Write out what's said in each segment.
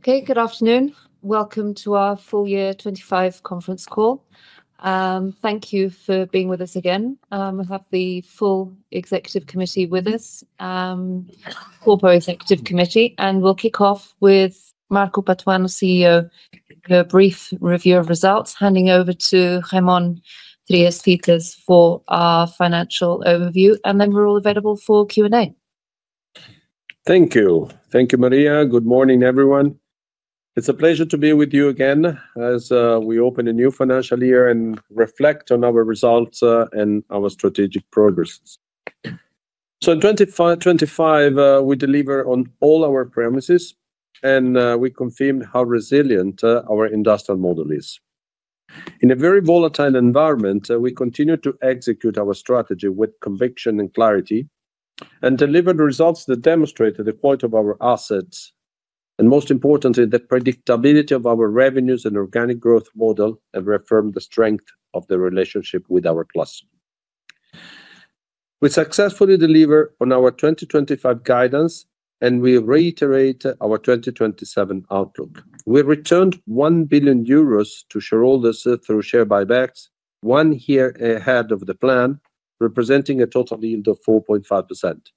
Okay, good afternoon. Welcome to our full-year 2025 conference call. Thank you for being with us again. We have the full executive committee with us, corporate executive committee, and we'll kick off with Marco Patuano, CEO. A brief review of results, handing over to Raimon Trias for our financial overview, and then we're all available for Q&A. Thank you. Thank you, Maria. Good morning, everyone. It's a pleasure to be with you again, as we open a new financial year and reflect on our results and our strategic progresses. In 2025, we deliver on all our premises, and we confirm how resilient our industrial model is. In a very volatile environment, we continue to execute our strategy with conviction and clarity, and deliver the results that demonstrate the point of our assets, and most importantly, the predictability of our revenues and organic growth model, and reaffirm the strength of the relationship with our cluster. We successfully deliver on our 2025 guidance, and we reiterate our 2027 outlook. We returned 1 billion euros to shareholders through share buybacks, one year ahead of the plan, representing a total yield of 4.5%.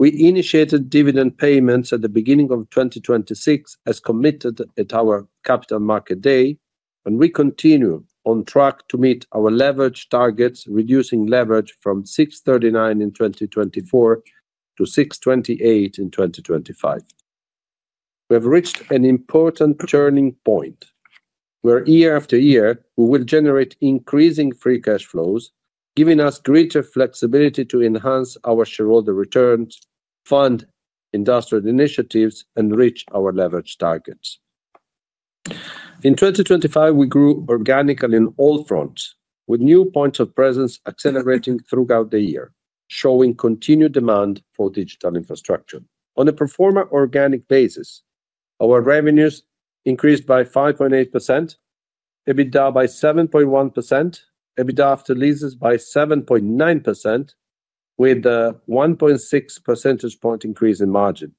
We initiated dividend payments at the beginning of 2026, as committed at our Capital Markets Day. We continue on track to meet our leverage targets, reducing leverage from 6.39 in 2024 to 6.28 in 2025. We have reached an important turning point, where year after year, we will generate increasing free cash flows, giving us greater flexibility to enhance our shareholder returns, fund industrial initiatives, and reach our leverage targets. In 2025, we grew organically in all fronts, with new points of presence accelerating throughout the year, showing continued demand for digital infrastructure. On a pro forma organic basis, our revenues increased by 5.8%, EBITDA by 7.1%, EBITDA after leases by 7.9%, with a 1.6 percentage point increase in margin.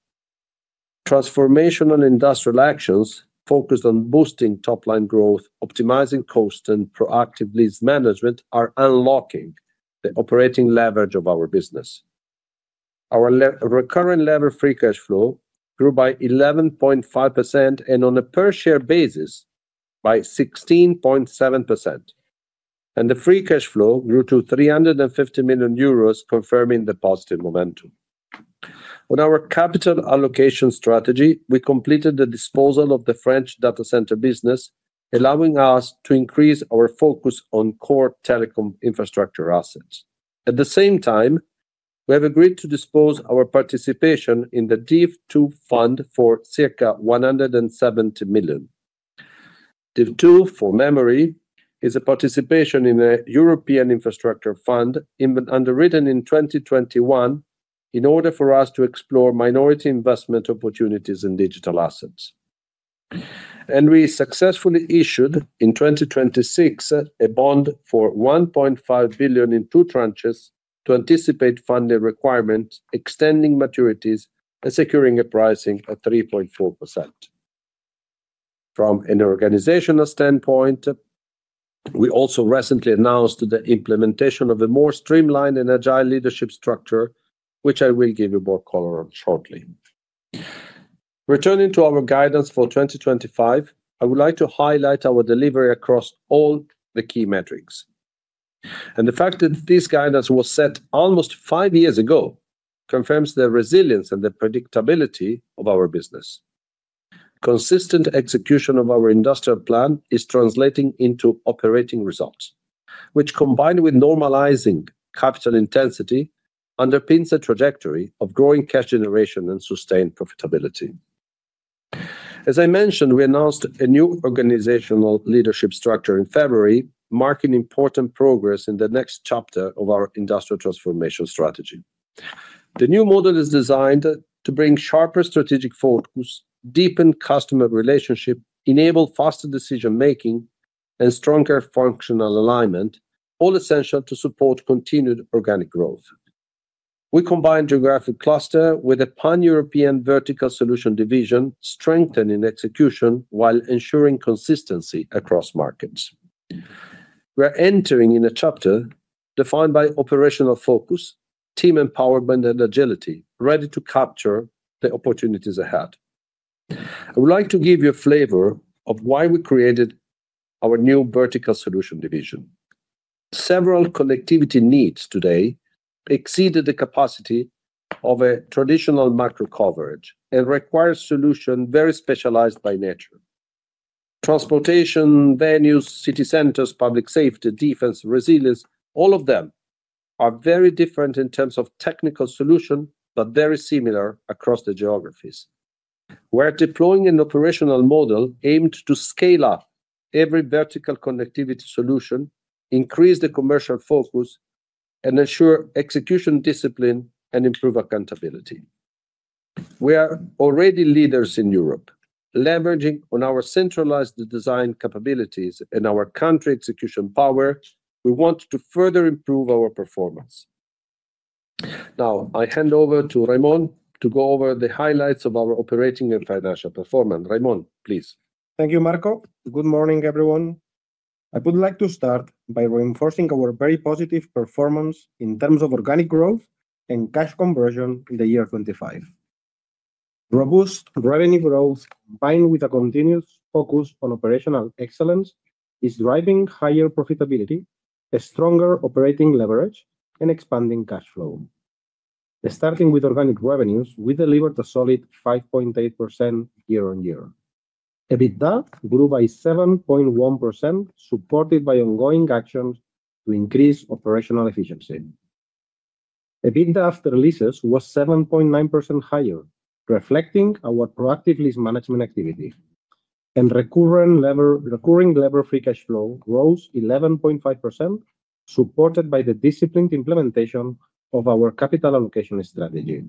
Transformational industrial actions focused on boosting top-line growth, optimizing cost, and proactive lease management are unlocking the operating leverage of our business. Our Recurring Levered Free Cash Flow grew by 11.5%, and on a per-share basis, by 16.7%. The free cash flow grew to 350 million euros, confirming the positive momentum. On our capital allocation strategy, we completed the disposal of the French data center business, allowing us to increase our focus on core telecom infrastructure assets. We have agreed to dispose our participation in the DIV II fund for circa 170 million. DIV II, for memory, is a participation in a European infrastructure fund, underwritten in 2021, in order for us to explore minority investment opportunities in digital assets. We successfully issued, in 2026, a bond for 1.5 billion in two tranches to anticipate funding requirements, extending maturities, and securing a pricing at 3.4%. From an organizational standpoint, we also recently announced the implementation of a more streamlined and agile leadership structure, which I will give you more color on shortly. Returning to our guidance for 2025, I would like to highlight our delivery across all the key metrics. The fact that this guidance was set almost five years ago confirms the resilience and the predictability of our business. Consistent execution of our industrial plan is translating into operating results, which, combined with normalizing capital intensity, underpins a trajectory of growing cash generation and sustained profitability. As I mentioned, we announced a new organizational leadership structure in February, marking important progress in the next chapter of our industrial transformation strategy. The new model is designed to bring sharper strategic focus, deepen customer relationship, enable faster decision-making, and stronger functional alignment, all essential to support continued organic growth. We combine geographic cluster with a pan-European vertical solution division, strengthening execution while ensuring consistency across markets. We're entering in a chapter defined by operational focus, team empowerment, and agility, ready to capture the opportunities ahead. I would like to give you a flavor of why we created our new vertical solution division. Several connectivity needs today exceeded the capacity of a traditional macro coverage and require solution very specialized by nature. Transportation, venues, city centers, public safety, defense, resilience, all of them are very different in terms of technical solution, but very similar across the geographies. We're deploying an operational model aimed to scale up every vertical connectivity solution, increase the commercial focus, and ensure execution discipline and improve accountability. We are already leaders in Europe. Leveraging on our centralized design capabilities and our country execution power, we want to further improve our performance. Now, I hand over to Raimon to go over the highlights of our operating and financial performance. Raimon, please. Thank you, Marco. Good morning, everyone. I would like to start by reinforcing our very positive performance in terms of organic growth and cash conversion in the year 2025. Robust revenue growth, combined with a continuous focus on operational excellence, is driving higher profitability, a stronger operating leverage, and expanding cash flow. Starting with organic revenues, we delivered a solid 5.8% year-on-year. EBITDA grew by 7.1%, supported by ongoing actions to increase operational efficiency. EBITDA after leases was 7.9% higher, reflecting our proactive lease management activity. Recurring Levered free cash flow rose 11.5%, supported by the disciplined implementation of our capital allocation strategy.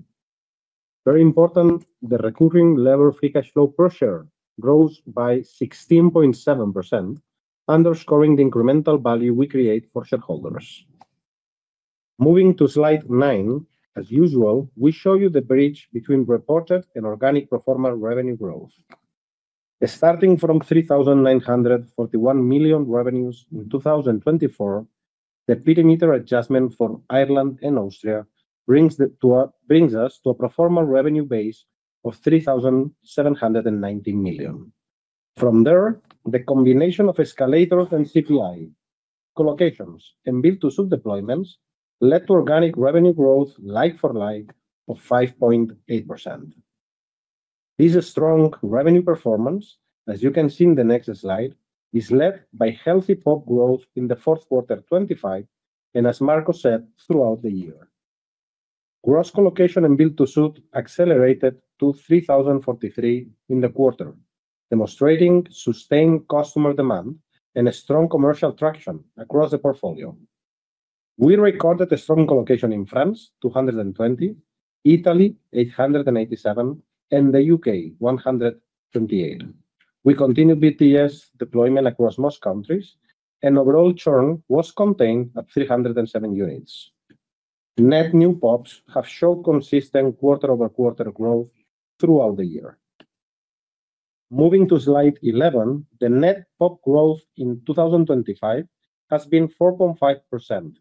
Very important, the recurring Levered free cash flow per share rose by 16.7%, underscoring the incremental value we create for shareholders. Moving to slide nine, as usual, we show you the bridge between reported and organic pro forma revenue growth. Starting from 3,941 million revenues in 2024, the perimeter adjustment for Ireland and Austria brings us to a pro forma revenue base of 3,790 million. From there, the combination of escalators and CPI, co-locations, and Build-to-Suit deployments led to organic revenue growth like-for-like of 5.8%. This strong revenue performance, as you can see in the next slide, is led by healthy PoP growth in the Q4 2025, and as Marco said, throughout the year. Gross colocation and Build-to-Suit accelerated to 3,043 in the quarter, demonstrating sustained customer demand and a strong commercial traction across the portfolio. We recorded a strong colocation in France, 220, Italy, 887, and the U.K., 128. We continued BTS deployment across most countries, and overall churn was contained at 307 units. Net new PoPs have shown consistent quarter-over-quarter growth throughout the year. Moving to slide 11, the net PoP growth in 2025 has been 4.5%,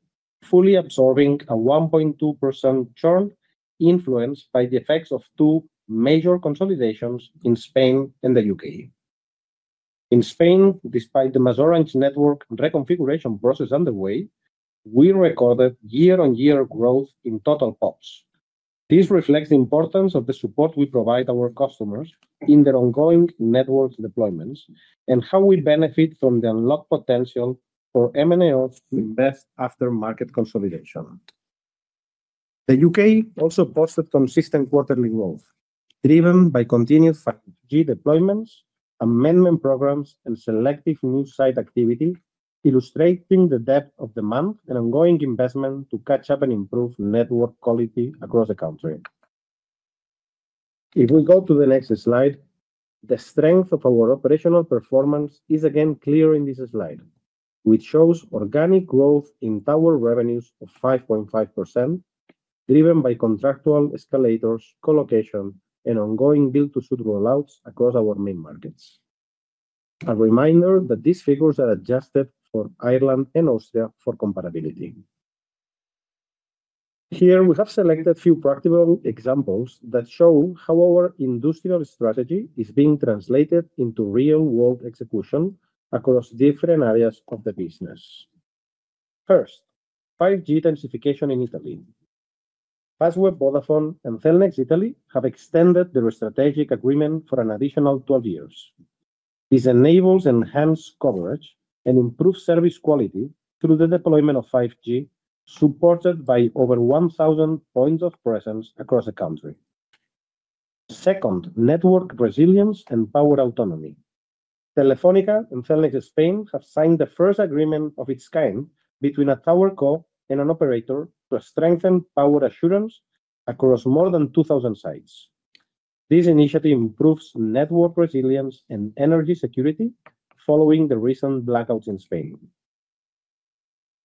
fully absorbing a 1.2% churn influenced by the effects of two major consolidations in Spain and the U.K. In Spain, despite the MasOrange network reconfiguration process underway, we recorded year-on-year growth in total PoPs. This reflects the importance of the support we provide our customers in their ongoing network deployments and how we benefit from the unlocked potential for MNOs to invest after market consolidation. The U.K. also posted consistent quarterly growth, driven by continued 5G deployments, amendment programs, and selective new site activity, illustrating the depth of demand and ongoing investment to catch up and improve network quality across the country. If we go to the next slide, the strength of our operational performance is again clear in this slide, which shows organic growth in tower revenues of 5.5%, driven by contractual escalators, colocation, and ongoing Build-to-Suit rollouts across our main markets. A reminder that these figures are adjusted for Ireland and Austria for comparability. Here we have selected a few practical examples that show how our industrial strategy is being translated into real-world execution across different areas of the business. First, 5G densification in Italy. Fastweb, Vodafone, and Cellnex Italia have extended their strategic agreement for an additional 12 years. This enables enhanced coverage and improved service quality through the deployment of 5G, supported by over 1,000 points of presence across the country. Second, network resilience and power autonomy. Telefónica and Cellnex Spain have signed the first agreement of its kind between a TowerCo and an operator to strengthen power assurance across more than 2,000 sites. This initiative improves network resilience and energy security following the recent blackouts in Spain.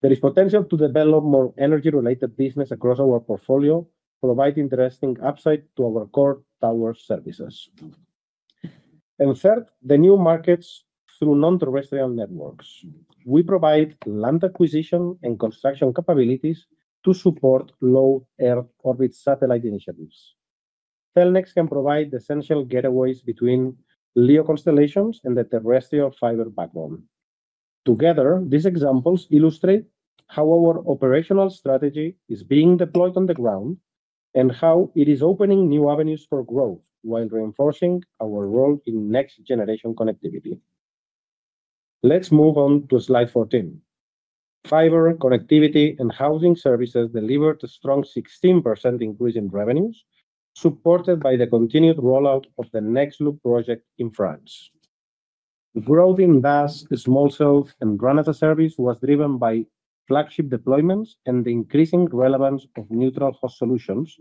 There is potential to develop more energy-related business across our portfolio, providing interesting upside to our core tower services. Third, the new markets through non-terrestrial networks. We provide land acquisition and construction capabilities to support low Earth orbit satellite initiatives. Cellnex can provide essential getaways between LEO constellations and the terrestrial fiber backbone. Together, these examples illustrate how our operational strategy is being deployed on the ground and how it is opening new avenues for growth while reinforcing our role in next-generation connectivity. Let's move on to slide 14. Fiber, connectivity, and housing services delivered a strong 16% increase in revenues, supported by the continued rollout of the Nexloop project in France. Growth in VaaS, Small Cell, and Granite service was driven by flagship deployments and the increasing relevance of neutral host solutions.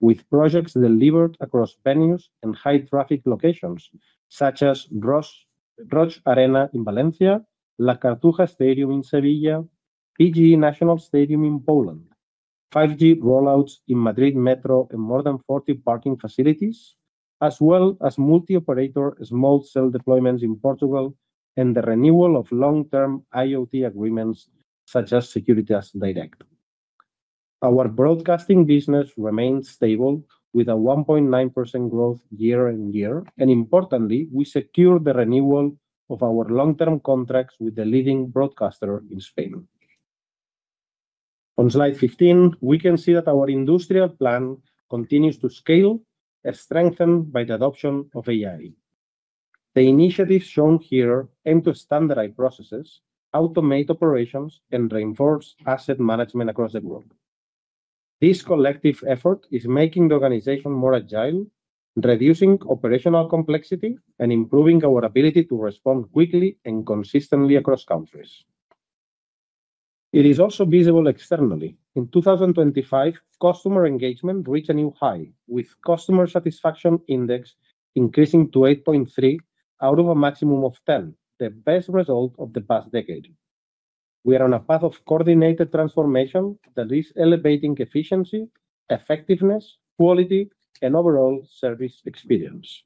With projects delivered across venues and high-traffic locations, such as Roig Arena in Valencia, La Cartuja Stadium in Sevilla, PGE National Stadium in Poland, 5G rollouts in Madrid Metro, and more than 40 parking facilities, as well as multi-operator Small Cell deployments in Portugal, and the renewal of long-term IoT agreements, such as Securitas Direct. Our broadcasting business remains stable, with a 1.9% growth year-on-year. Importantly, we secured the renewal of our long-term contracts with the leading broadcaster in Spain. On slide 15, we can see that our industrial plan continues to scale and strengthened by the adoption of AI. The initiatives shown here aim to standardize processes, automate operations, and reinforce asset management across the group. This collective effort is making the organization more agile, reducing operational complexity, and improving our ability to respond quickly and consistently across countries. It is also visible externally. In 2025, customer engagement reached a new high, with customer satisfaction index increasing to 8.3 out of a maximum of 10, the best result of the past decade. We are on a path of coordinated transformation that is elevating efficiency, effectiveness, quality, and overall service experience.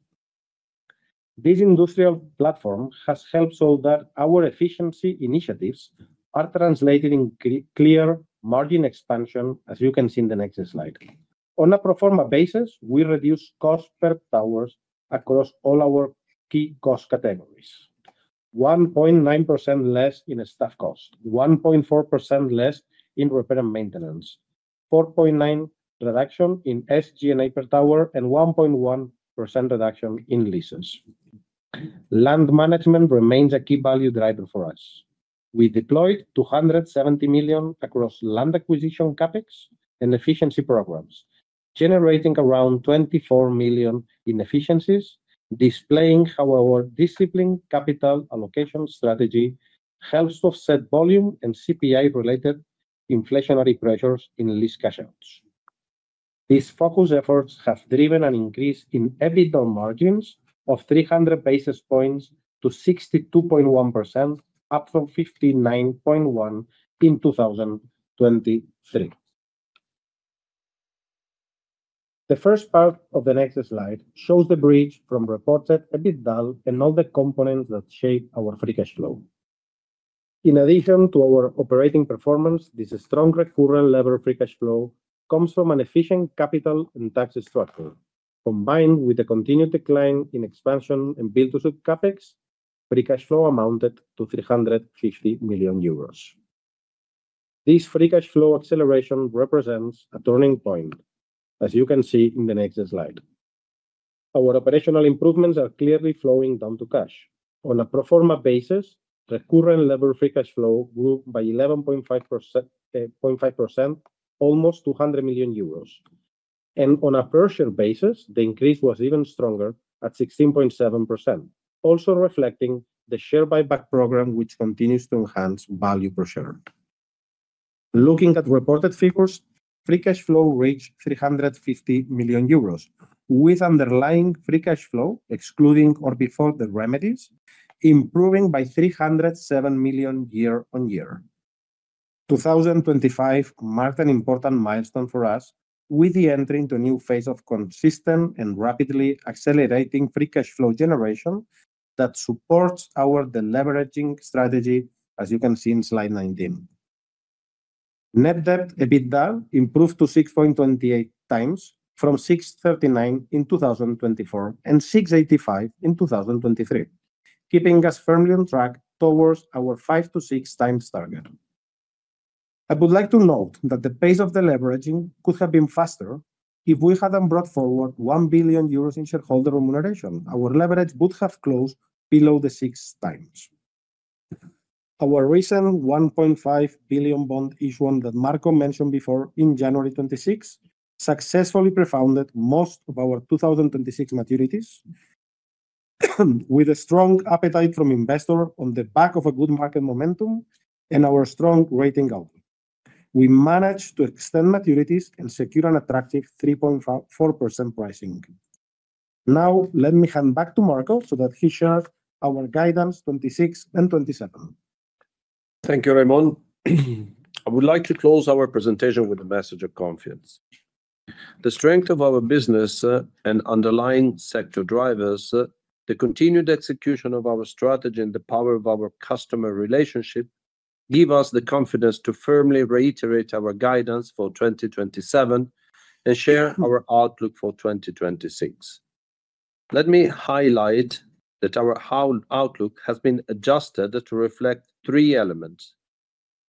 This industrial platform has helped that our efficiency initiatives are translated in clear margin expansion, as you can see in the next slide. On a pro forma basis, we reduced cost per towers across all our key cost categories. 1.9% less in staff cost, 1.4% less in repair and maintenance, 4.9% reduction in SG&A per tower, and 1.1% reduction in leases. Land management remains a key value driver for us. We deployed 270 million across land acquisition CapEx and efficiency programs, generating around 24 million in efficiencies, displaying how our disciplined capital allocation strategy helps to offset volume and CPI-related inflationary pressures in lease cash outs. These focused efforts have driven an increase in EBITDA margins of 300 basis points to 62.1%, up from 59.1% in 2023. The first part of the next slide shows the bridge from reported EBITDA and all the components that shape our free cash flow. In addition to our operating performance, this strong recurrent level of free cash flow comes from an efficient capital and tax structure. Combined with a continued decline in expansion and Build-to-Suit CapEx, free cash flow amounted to 350 million euros. This free cash flow acceleration represents a turning point, as you can see in the next slide. Our operational improvements are clearly flowing down to cash. On a pro forma basis, the current level of free cash flow grew by 11.5%, almost 200 million euros. On a per share basis, the increase was even stronger at 16.7%, also reflecting the share buyback program, which continues to enhance value per share. Looking at reported figures, free cash flow reached 350 million euros, with underlying free cash flow excluding or before the remedies, improving by 307 million year-on-year. 2025 marked an important milestone for us, with the entry into a new phase of consistent and rapidly accelerating free cash flow generation that supports our deleveraging strategy, as you can see in slide 19. Net debt EBITDA improved to 6.28x from 6.39x in 2024, and 6.85x in 2023, keeping us firmly on track towards our 5x to 6x target. I would like to note that the pace of deleveraging could have been faster if we hadn't brought forward 1 billion euros in shareholder remuneration. Our leverage would have closed below the 6x. Our recent 1.5 billion bond issue that Marco mentioned before in January 26, successfully pre-funded most of our 2026 maturities. With a strong appetite from investor on the back of a good market momentum and our strong rating outlook, we managed to extend maturities and secure an attractive 3.4% pricing. Let me hand back to Marco so that he shares our guidance 2026 and 2027. Thank you, Raimon. I would like to close our presentation with a message of confidence. The strength of our business, and underlying sector drivers, the continued execution of our strategy, and the power of our customer relationship, give us the confidence to firmly reiterate our guidance for 2027 and share our outlook for 2026. Let me highlight that our outlook has been adjusted to reflect three elements: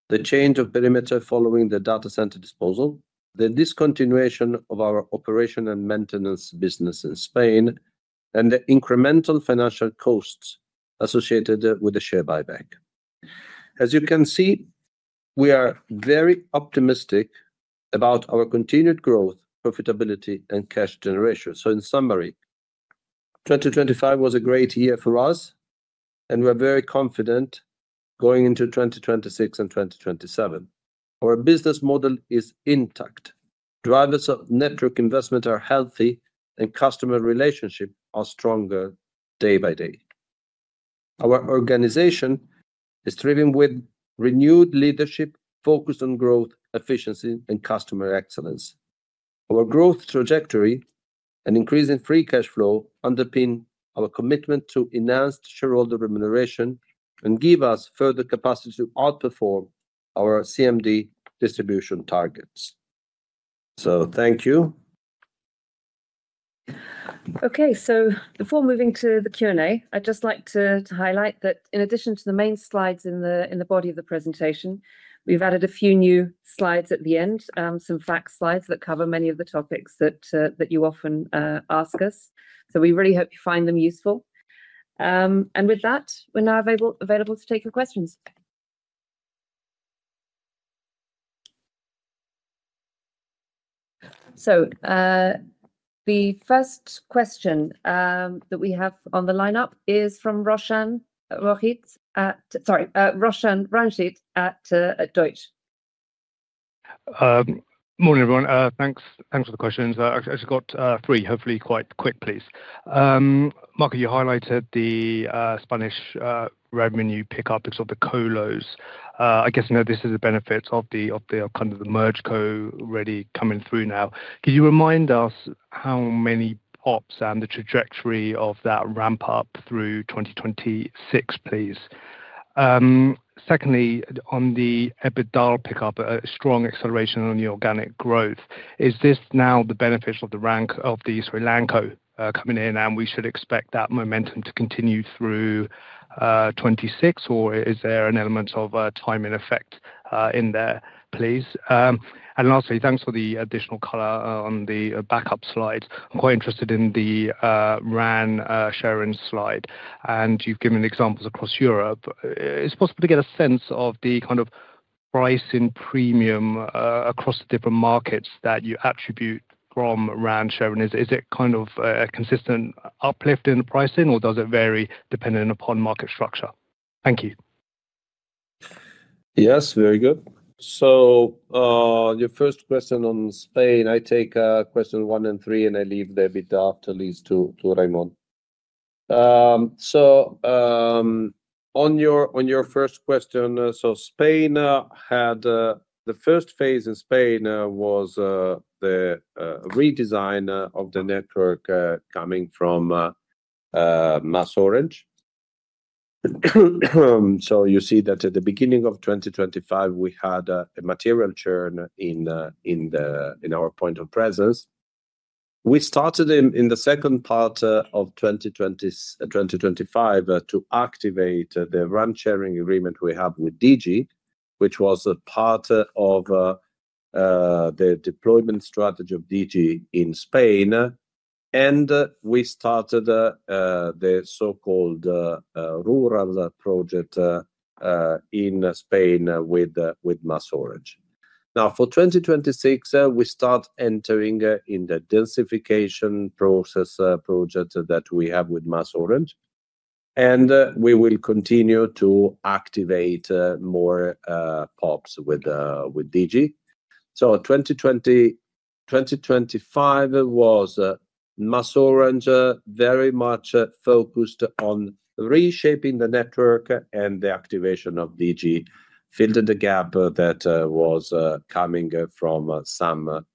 the change of perimeter following the data center disposal, the discontinuation of our operation and maintenance business in Spain, and the incremental financial costs associated with the share buyback. As you can see, we are very optimistic about our continued growth, profitability, and cash generation. In summary, 2025 was a great year for us, and we're very confident going into 2026 and 2027. Our business model is intact. Drivers of network investment are healthy, and customer relationship are stronger day by day. Our organization is thriving with renewed leadership, focused on growth, efficiency, and customer excellence. Our growth trajectory and increase in free cash flow underpin our commitment to enhanced shareholder remuneration and give us further capacity to outperform our CMD distribution targets. Thank you. Okay. Before moving to the Q&A, I'd just like to highlight that in addition to the main slides in the body of the presentation, we've added a few new slides at the end. Some FAQ slides that cover many of the topics that you often ask us. We really hope you find them useful. And with that, we're now available to take your questions. The first question that we have on the lineup is from Roshan Ranjit at Deutsche. Morning, everyone. Thanks, thanks for the questions. I just got three, hopefully quite quick, please. Marco, you highlighted the Spanish revenue pick up in sort of the colos. I guess, you know, this is the benefits of the kind of the merge co already coming through now. Could you remind us how many PoPs and the trajectory of that ramp up through 2026, please? Secondly, on the EBITDA pick up, a strong acceleration on the organic growth. Is this now the benefits of the run-rate of the land coming in, and we should expect that momentum to continue through 2026? Or is there an element of timing effect in there, please? Lastly, thanks for the additional color on the backup slide. I'm quite interested in the RAN sharing slide. You've given examples across Europe. It's possible to get a sense of the kind of pricing premium across the different markets that you attribute from RAN sharing. Is it kind of a consistent uplift in the pricing, or does it vary depending upon market structure? Thank you. Yes, very good. Your first question on Spain, I take question one and three, and I leave the EBITDA to Raimon. On your first question, Spain had the first phase in Spain was the redesign of the network coming from MasOrange. You see that at the beginning of 2025, we had a material churn in our point of presence. We started in the second part of 2025 to activate the RAN sharing agreement we have with Play, which was a part of the deployment strategy of Play in Spain. And we started the so-called rural project in Spain with MasOrange. For 2026, we start entering in the densification process project that we have with MasOrange, we will continue to activate more PoPs with Play. 2020, 2025 was MasOrange very much focused on reshaping the network and the activation of Play, filling the gap that was coming from some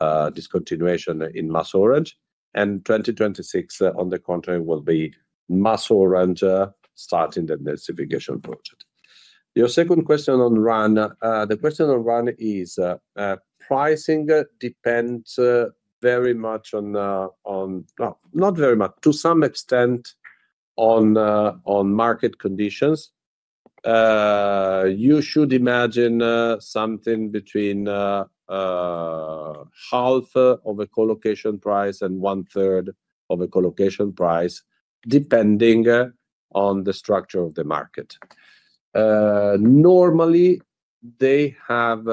discontinuation in MasOrange. 2026, on the contrary, will be MasOrange starting the densification project. Your second question on RAN. The question on RAN is pricing depends very much on not very much, to some extent on market conditions. You should imagine something between half of a colocation price and one-third of a colocation price, depending on the structure of the market. Normally, they have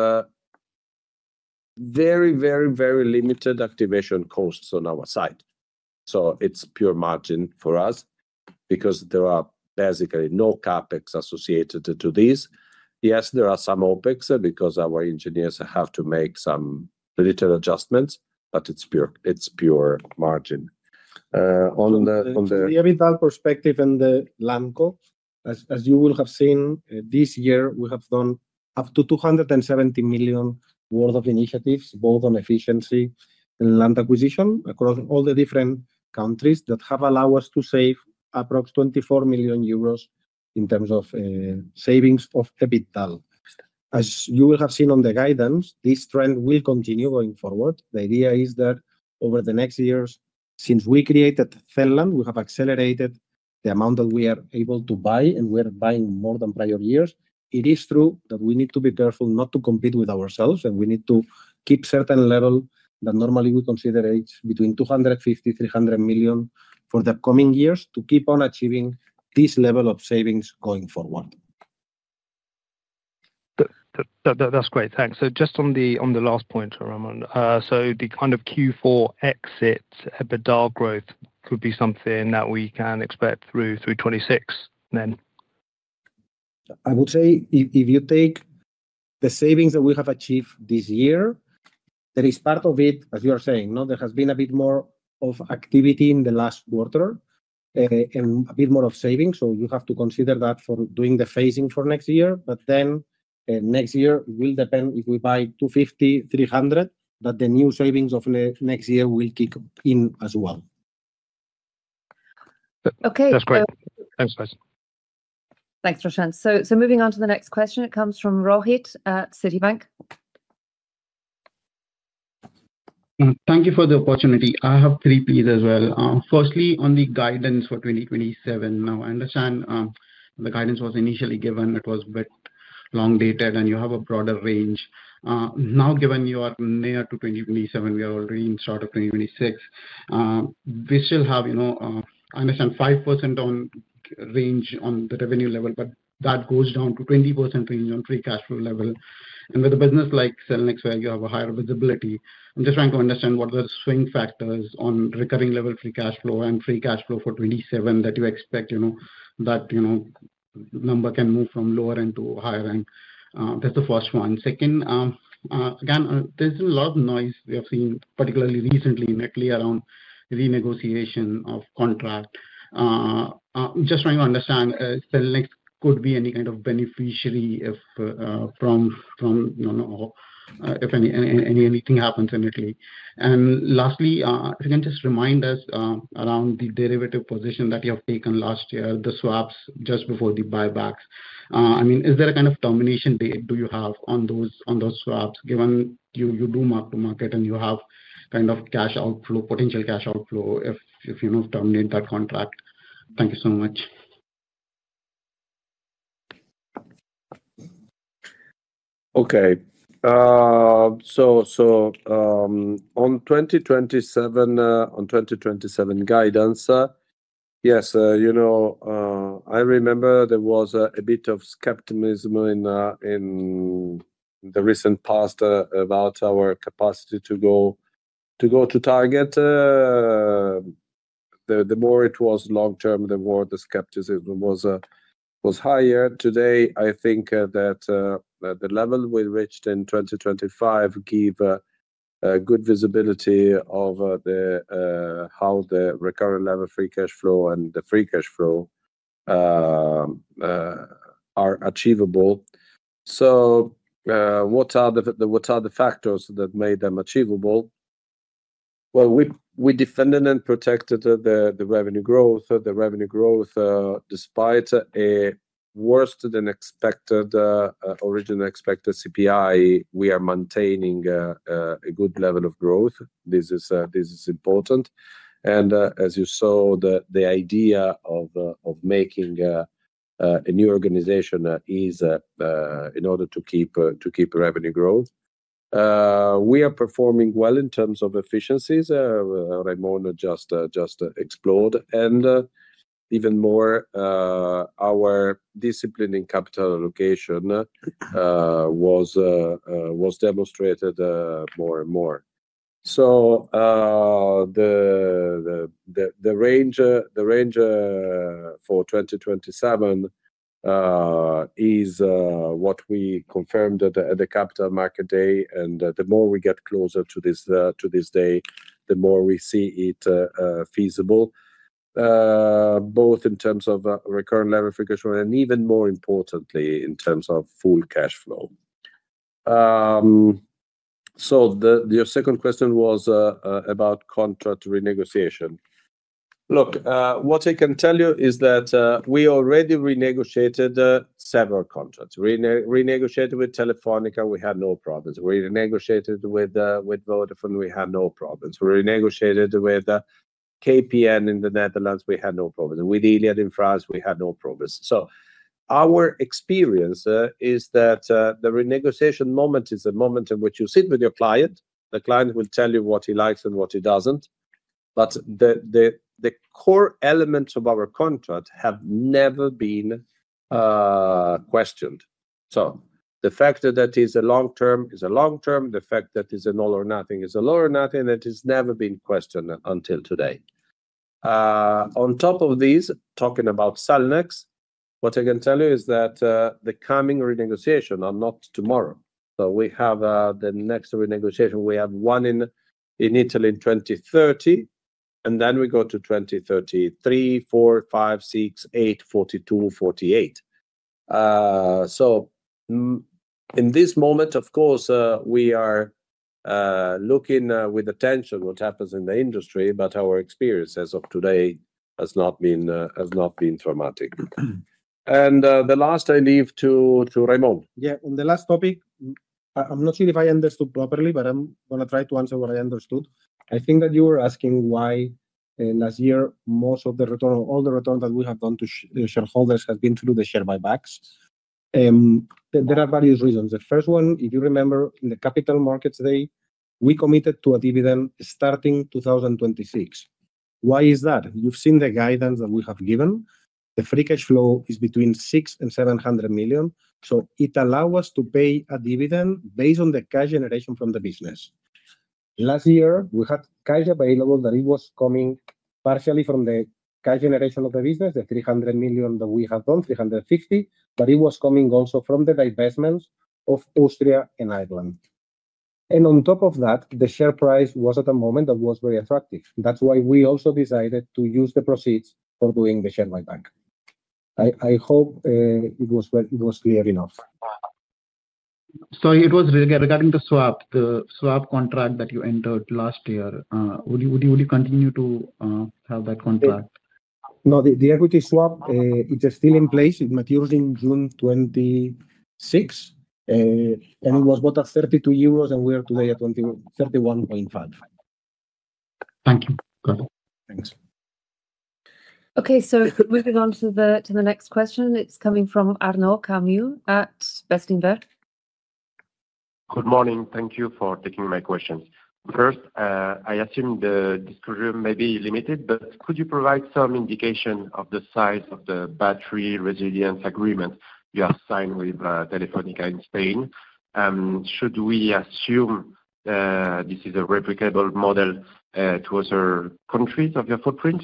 very, very, very limited activation costs on our side. It's pure margin for us because there are basically no CapEx associated to this. Yes, there are some OpEx, because our engineers have to make some little adjustments, but it's pure margin. The EBITDA perspective and the Lamco, as you will have seen, this year, we have done up to 270 million worth of initiatives, both on efficiency and land acquisition across all the different countries that have allowed us to save approximately 24 million euros in terms of savings of EBITDA. As you will have seen on the guidance, this trend will continue going forward. The idea is that over the next years, since we created Celland, we have accelerated the amount that we are able to buy, and we are buying more than prior years. It is true that we need to be careful not to compete with ourselves, and we need to keep certain level that normally we consider it between 250 million-300 million for the coming years to keep on achieving this level of savings going forward. That's great. Thanks. Just on the last point, Raimon. The kind of Q4 exit EBITDA growth could be something that we can expect through 2026 then? I would say if you take the savings that we have achieved this year, there is part of it, as you are saying, no, there has been a bit more of activity in the last quarter, and a bit more of savings. You have to consider that for doing the phasing for next year. Next year will depend if we buy 250 million, 300 million, but the new savings of next year will kick in as well. Okay. That's great. Thanks, guys. Thanks, Roshan. Moving on to the next question. It comes from Rohit at Citibank. Thank you for the opportunity. I have three pieces as well. Firstly, on the guidance for 2027. Now, I understand the guidance was initially given, it was a bit long dated, and you have a broader range. Now, given you are near to 2027, we are already in start of 2026. We still have, you know, I understand 5% on range on the revenue level, but that goes down to 20% range on free cash flow level. With a business like Cellnex, where you have a higher visibility, I'm just trying to understand what are the swing factors on recurring level free cash flow and free cash flow for 2027, that you expect, you know, number can move from lower end to higher end? That's the first one. Second, again, there's a lot of noise we have seen, particularly recently in Italy, around renegotiation of contract. Just trying to understand, Cellnex could be any kind of beneficiary if, from, you know, if anything happens in Italy. Lastly, if you can just remind us around the derivative position that you have taken last year, the swaps just before the buybacks. I mean, is there a kind of termination date do you have on those swaps, given you do mark to market, and you have kind of cash outflow, potential cash outflow if you don't terminate that contract? Thank you so much. Okay. so, on 2027, on 2027 guidance, yes, you know, I remember there was a bit of skepticism in the recent past, about our capacity to go to target. The more it was long term, the more the skepticism was higher. Today, I think, that the level we reached in 2025 give a good visibility over the how the Recurring Levered Free Cash Flow and the free cash flow are achievable. What are the factors that made them achievable? Well, we defended and protected the revenue growth. The revenue growth, despite a worse than expected, original expected CPI, we are maintaining a good level of growth. This is important. As you saw, the idea of making a new organization that is in order to keep revenue growth. We are performing well in terms of efficiencies, Raimon just explored. Even more, our discipline in capital allocation was demonstrated more and more. The range for 2027 is what we confirmed at the Capital Markets Day. The more we get closer to this day, the more we see it feasible both in terms of Recurring Levered Free Cash Flow and even more importantly, in terms of full cash flow. Your second question was about contract renegotiation. Look, what I can tell you is that we already renegotiated several contracts. renegotiated with Telefónica, we had no problems. We renegotiated with Vodafone, we had no problems. We renegotiated with KPN in the Netherlands, we had no problems. With Iliad in France, we had no problems. Our experience is that the renegotiation moment is a moment in which you sit with your client, the client will tell you what he likes and what he doesn't. The core elements of our contract have never been questioned. The fact that that is a long term is a long term. The fact that it's an all or nothing is an all or nothing, that has never been questioned until today. On top of this, talking about Cellnex, what I can tell you is that the coming renegotiation are not tomorrow. We have the next renegotiation. We have one in Italy in 2030, and then we go to 2033, 2034, 2035, 2036, 2038, 2042, 2048. In this moment, of course, we are looking with attention what happens in the industry, but our experience as of today has not been traumatic. The last I leave to Raimon. Yeah, on the last topic, I'm not sure if I understood properly, but I'm gonna try to answer what I understood. I think that you were asking why in last year, most of the return or all the return that we have done to the shareholders has been through the share buybacks. There are various reasons. The first one, if you remember, in the Capital Markets Day, we committed to a dividend starting 2026. Why is that? You've seen the guidance that we have given. The free cash flow is between 600 million and 700 million. it allow us to pay a dividend based on the cash generation from the business. Last year, we had cash available, that it was coming partially from the cash generation of the business, the 300 million that we have done, 350 million, but it was coming also from the divestments of Austria and Ireland. On top of that, the share price was at a moment that was very attractive. That's why we also decided to use the proceeds for doing the share buyback. I hope it was well, it was clear enough. it was regarding the swap contract that you entered last year, would you continue to have that contract? No, the equity swap, it is still in place. It matures in June 2026. It was worth at 32 euros. We are today at 31.5. Thank you. Thanks. Okay, moving on to the next question. It's coming from Arnaud Camus at Bestinver. Good morning. Thank you for taking my questions. First, I assume the disclosure may be limited, but could you provide some indication of the size of the battery resilience agreement you have signed with Telefónica in Spain? Should we assume this is a replicable model to other countries of your footprint?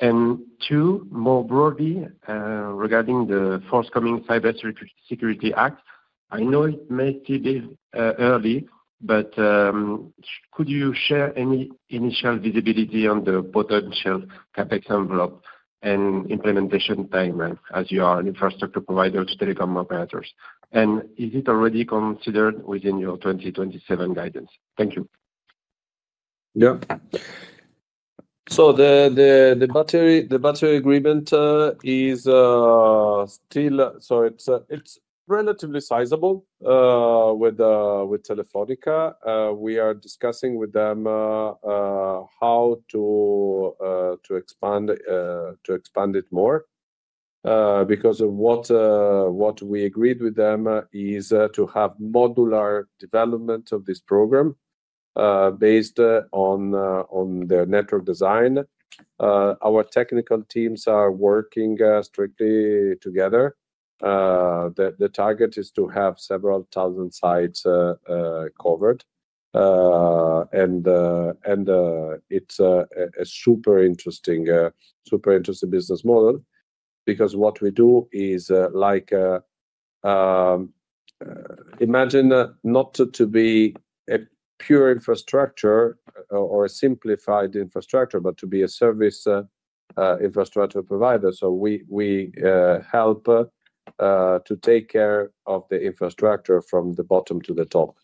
And two, more broadly, regarding the forthcoming Cybersecurity Act, I know it may be early, but could you share any initial visibility on the potential CapEx envelope and implementation timeline, as you are an infrastructure provider to telecom operators? And is it already considered within your 2027 guidance? Thank you. Yeah. The battery agreement is still. It's relatively sizable with Telefónica. We are discussing with them how to expand it more, because of what we agreed with them is to have modular development of this program, based on their network design. Our technical teams are working strictly together. The target is to have several thousand sites covered. And it's a super interesting business model, because what we do is like imagine not to be a pure infrastructure or a simplified infrastructure, but to be a service infrastructure provider. We help to take care of the infrastructure from the bottom to the top.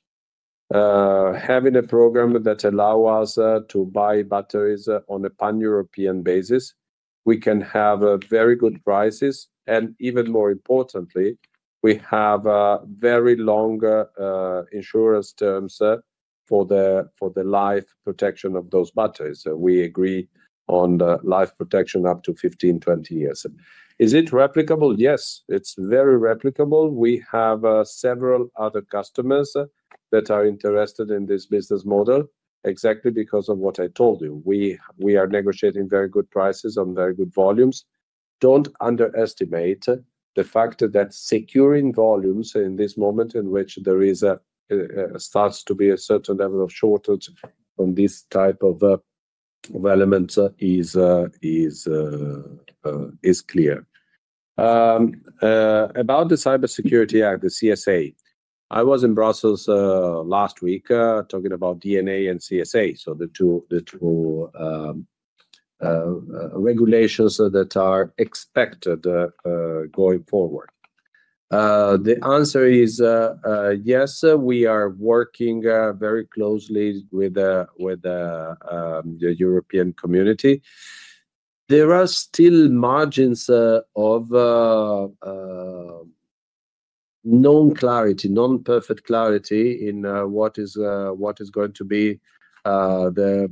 Having a program that allow us to buy batteries on a pan-European basis, we can have very good prices, and even more importantly, we have a very long insurance terms for the life protection of those batteries. We agree on the life protection up to 15, 20 years. Is it replicable? Yes, it's very replicable. We have several other customers that are interested in this business model exactly because of what I told you. We are negotiating very good prices on very good volumes. Don't underestimate the fact that securing volumes in this moment in which there is starts to be a certain level of shortage on this type of elements, is clear. About the Cybersecurity Act, the CSA, I was in Brussels last week talking about DNA and CSA, so the two regulations that are expected going forward. The answer is yes, we are working very closely with the European community. There are still margins of non-clarity, non-perfect clarity in what is going to be the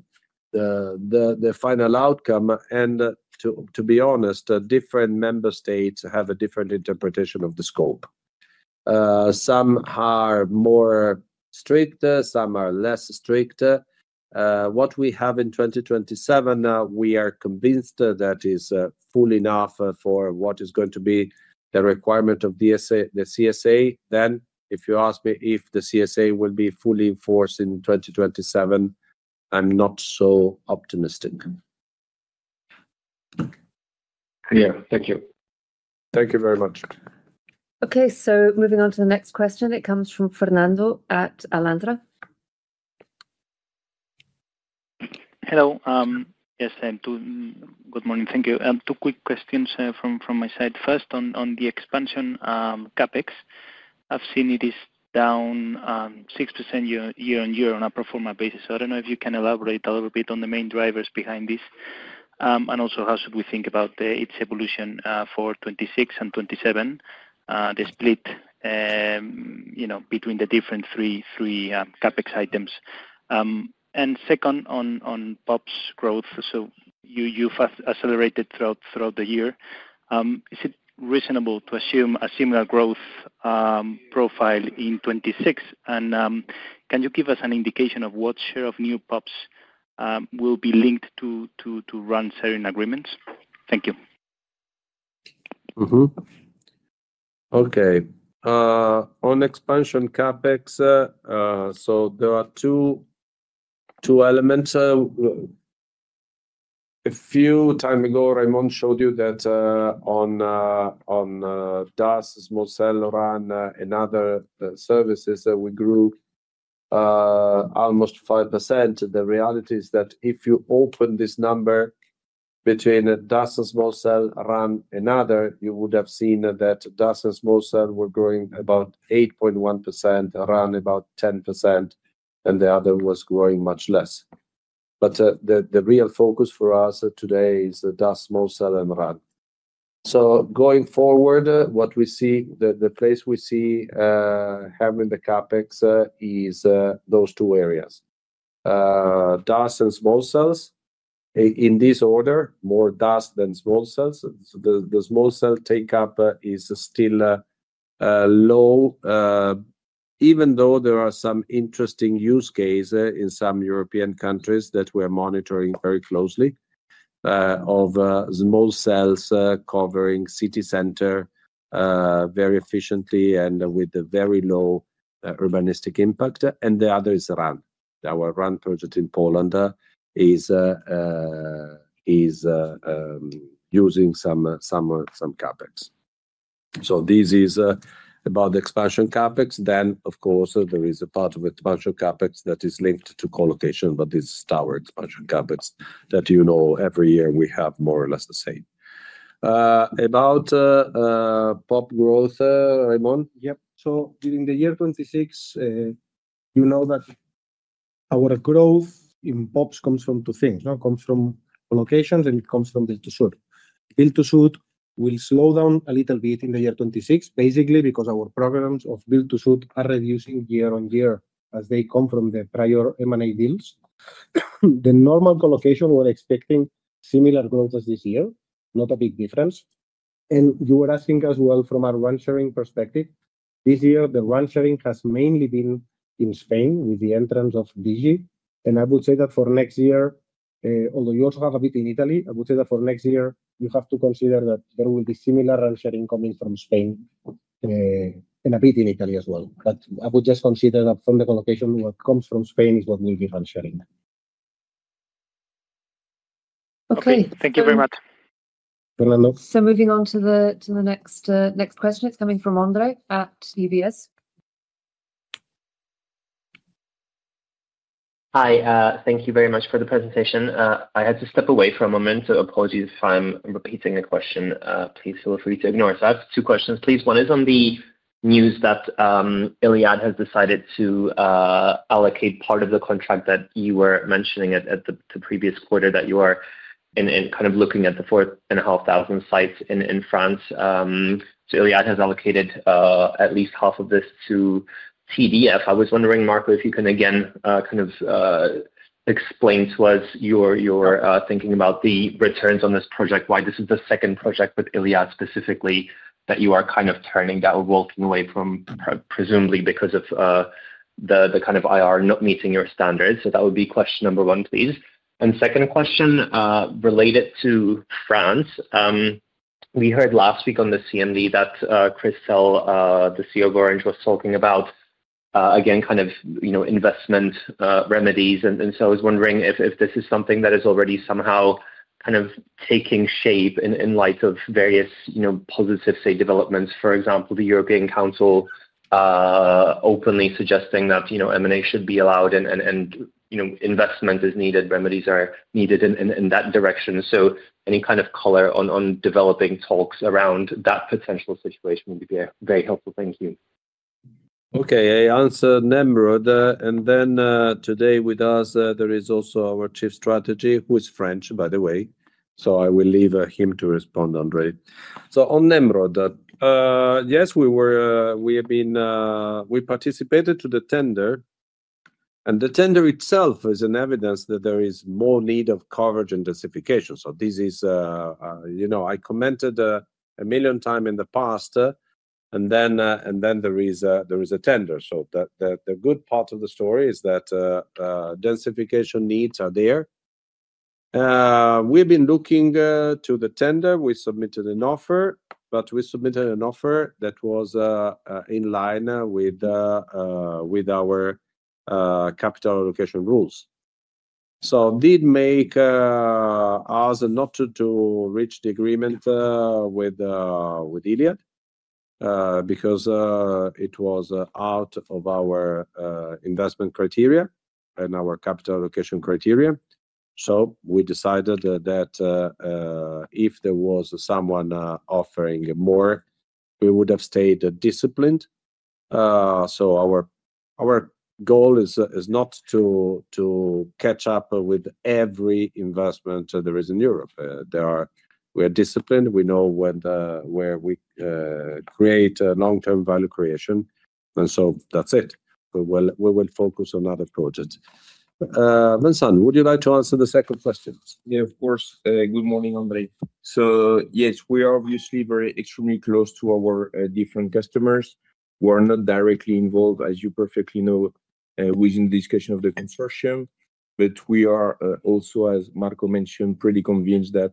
final outcome. To be honest, the different member states have a different interpretation of the scope. Some are more stricter, some are less stricter. What we have in 2027, we are convinced that is full enough for what is going to be the requirement of DSA, the CSA. If you ask me if the CSA will be fully enforced in 2027, I'm not so optimistic. Yeah. Thank you. Thank you very much. Okay, moving on to the next question. It comes from Fernando at Alantra. Hello. Yes, good morning. Thank you. Two quick questions from my side. First, on the expansion CapEx, I've seen it is down 6% year-on-year on a pro forma basis. I don't know if you can elaborate a little bit on the main drivers behind this. Also, how should we think about its evolution for 2026 and 2027, the split, you know, between the different three CapEx items? Second, on POPs growth, you've accelerated throughout the year. Is it reasonable to assume a similar growth profile in 2026. Can you give us an indication of what share of new POPs will be linked to RAN sharing agreements? Thank you. Okay. On expansion CapEx, there are two elements. A few time ago, Raimon showed you that on DAS, small cell, RAN, and other services that we grew almost 5%. The reality is that if you open this number between the DAS and small cell, RAN, and other, you would have seen that DAS and small cell were growing about 8.1%, RAN about 10%, and the other was growing much less. The real focus for us today is the DAS, small cell, and RAN. Going forward, what we see, the place we see having the CapEx is those two areas. DAS and small cells, in this order, more DAS than small cells. The Small Cell take up is still low, even though there are some interesting use cases in some European countries that we're monitoring very closely, of Small Cells covering city center very efficiently and with a very low urbanistic impact. The other is RAN. Our RAN project in Poland is using some CapEx. This is about the expansion CapEx. Of course, there is a part of expansion CapEx that is linked to colocation, but this is tower expansion CapEx, that you know, every year we have more or less the same. About PoP growth, Raimon? Yep. During the year 2026, you know that our growth in PoPs comes from two things. It comes from collocations, and it comes from Build-to-Suit. Build-to-Suit will slow down a little bit in the year 2026, basically because our programs of Build-to-Suit are reducing year-on-year as they come from the prior M&A deals. The normal colocation, we're expecting similar growth as this year, not a big difference. You were asking as well from a RAN sharing perspective. This year, the RAN sharing has mainly been in Spain with the entrance of Play. I would say that for next year, although you also have a bit in Italy, I would say that for next year, you have to consider that there will be similar RAN sharing coming from Spain, and a bit in Italy as well. I would just consider that from the colocation, what comes from Spain is what will give RAN sharing. Okay. Thank you very much. De nothing. Moving on to the next question. It's coming from Ondřej at UBS. Hi, thank you very much for the presentation. I had to step away for a moment, so apologies if I'm repeating the question. Please feel free to ignore. I have two questions, please. One is on the news that Iliad has decided to allocate part of the contract that you were mentioning at the previous quarter, that you are in kind of looking at the 4,500 sites in France. Iliad has allocated at least half of this to TDF. I was wondering, Marco, if you can again, kind of explain to us your thinking about the returns on this project, why this is the second project with Iliad, specifically, that you are kind of turning that walking away from, presumably because of the kind of IR not meeting your standards. That would be question number one, please. Second question, related to France. We heard last week on the CMD that Christel, the CEO of Orange, was talking about again, kind of, you know, investment remedies. I was wondering if this is something that is already somehow kind of taking shape in light of various, you know, positive, say, developments. For example, the European Council, openly suggesting that, you know, M&A should be allowed and, you know, investment is needed, remedies are needed in that direction. Any kind of color on developing talks around that potential situation would be very helpful. Thank you. Okay, I answer Nemrod. Today with us, there is also our chief strategy, who is French, by the way. I will leave him to respond, Ondřej. On Nemrod, yes, we have been, we participated to the tender, and the tender itself is an evidence that there is more need of coverage and densification. This is, you know, I commented 1 million time in the past, and then there is a tender. The good part of the story is that densification needs are there. We've been looking to the tender. We submitted an offer, but we submitted an offer that was in line with our capital allocation rules. Did make us not to reach the agreement with Iliad because it was out of our investment criteria and our capital allocation criteria. We decided that if there was someone offering more, we would have stayed disciplined. Our goal is not to catch up with every investment there is in Europe. We are disciplined. We know where we create long-term value creation, and so that's it. We will focus on other projects. Vincent, would you like to answer the second question? Yeah, of course. Good morning, Ondřej. Yes, we are obviously very extremely close to our different customers. We're not directly involved, as you perfectly know. within the discussion of the consortium. We are also, as Marco mentioned, pretty convinced that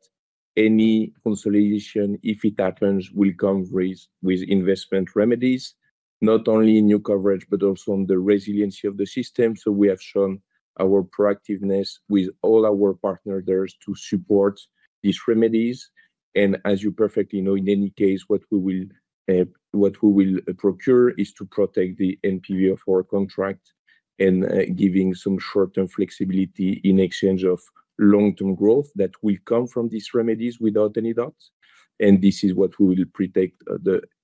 any consolidation, if it happens, will come with investment remedies, not only in new coverage, but also on the resiliency of the system. We have shown our proactiveness with all our partners there to support these remedies. As you perfectly know, in any case, what we will procure is to protect the NPV of our contract and giving some short-term flexibility in exchange of long-term growth that will come from these remedies without any doubt. This is what we will protect,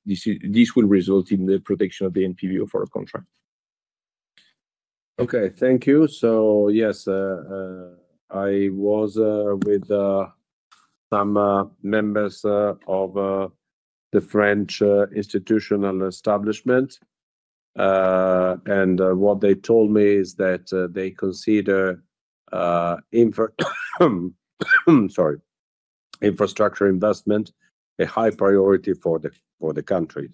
this will result in the protection of the NPV of our contract. Okay. Thank you. Yes, I was with some members of the French institutional establishment. What they told me is that they consider infrastructure investment a high priority for the country.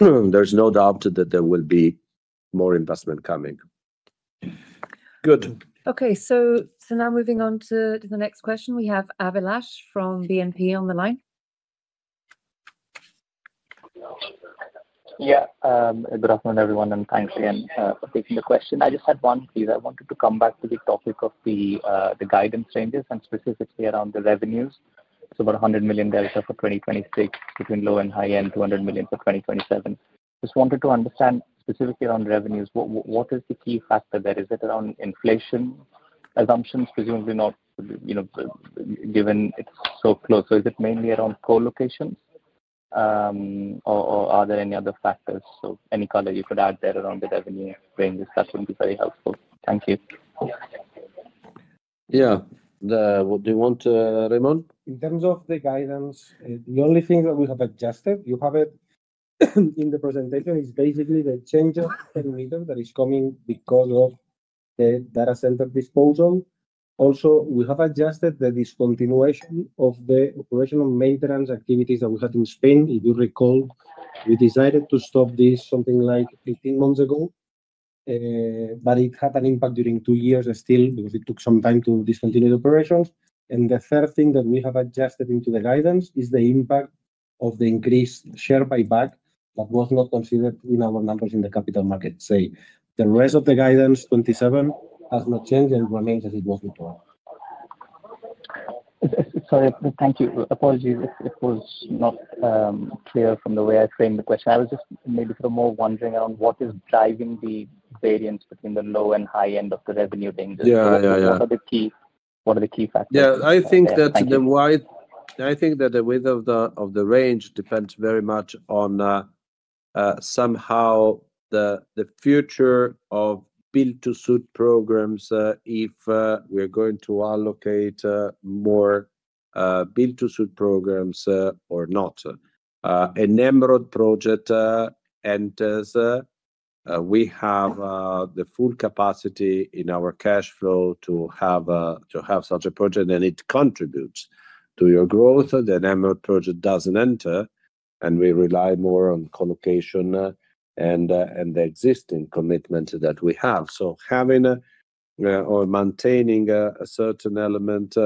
There's no doubt that there will be more investment coming. Good. Okay. Now moving on to the next question, we have Abhilash from BNP on the line. Good afternoon, everyone, and thanks again for taking the question. I just had one please. I wanted to come back to the topic of the guidance changes and specifically around the revenues. About 100 million data for 2026, between low and high end, 200 million EUR for 2027. Just wanted to understand specifically around revenues, what is the key factor there? Is it around inflation assumptions? Presumably not, you know, given it's so close. Is it mainly around colocations, or are there any other factors? Any color you could add there around the revenue ranges, that would be very helpful. Thank you. Yeah. What do you want, Raimon? In terms of the guidance, the only thing that we have adjusted, you have it in the presentation, is basically the change of the rhythm that is coming because of the data center disposal. We have adjusted the discontinuation of the operational maintenance activities that we had in Spain. If you recall, we decided to stop this something like 18 months ago, but it had an impact during two years still, because it took some time to discontinue the operations. The third thing that we have adjusted into the guidance is the impact of the increased share buyback that was not considered in our numbers in the capital markets. The rest of the guidance, 2027, has not changed and remains as it was before. Sorry. Thank you. Apologies, if it was not clear from the way I framed the question. I was just maybe more wondering on what is driving the variance between the low and high end of the revenue range. Yeah. Yeah, yeah. What are the key factors? Yeah, I think. Thank you. I think that the width of the range depends very much on somehow the future of Build-to-Suit programs if we're going to allocate more Build-to-Suit programs or not. An Emerald project enters, we have the full capacity in our cash flow to have such a project, and it contributes to your growth. The Emerald project doesn't enter, and we rely more on colocation and the existing commitments that we have. Having a or maintaining a certain element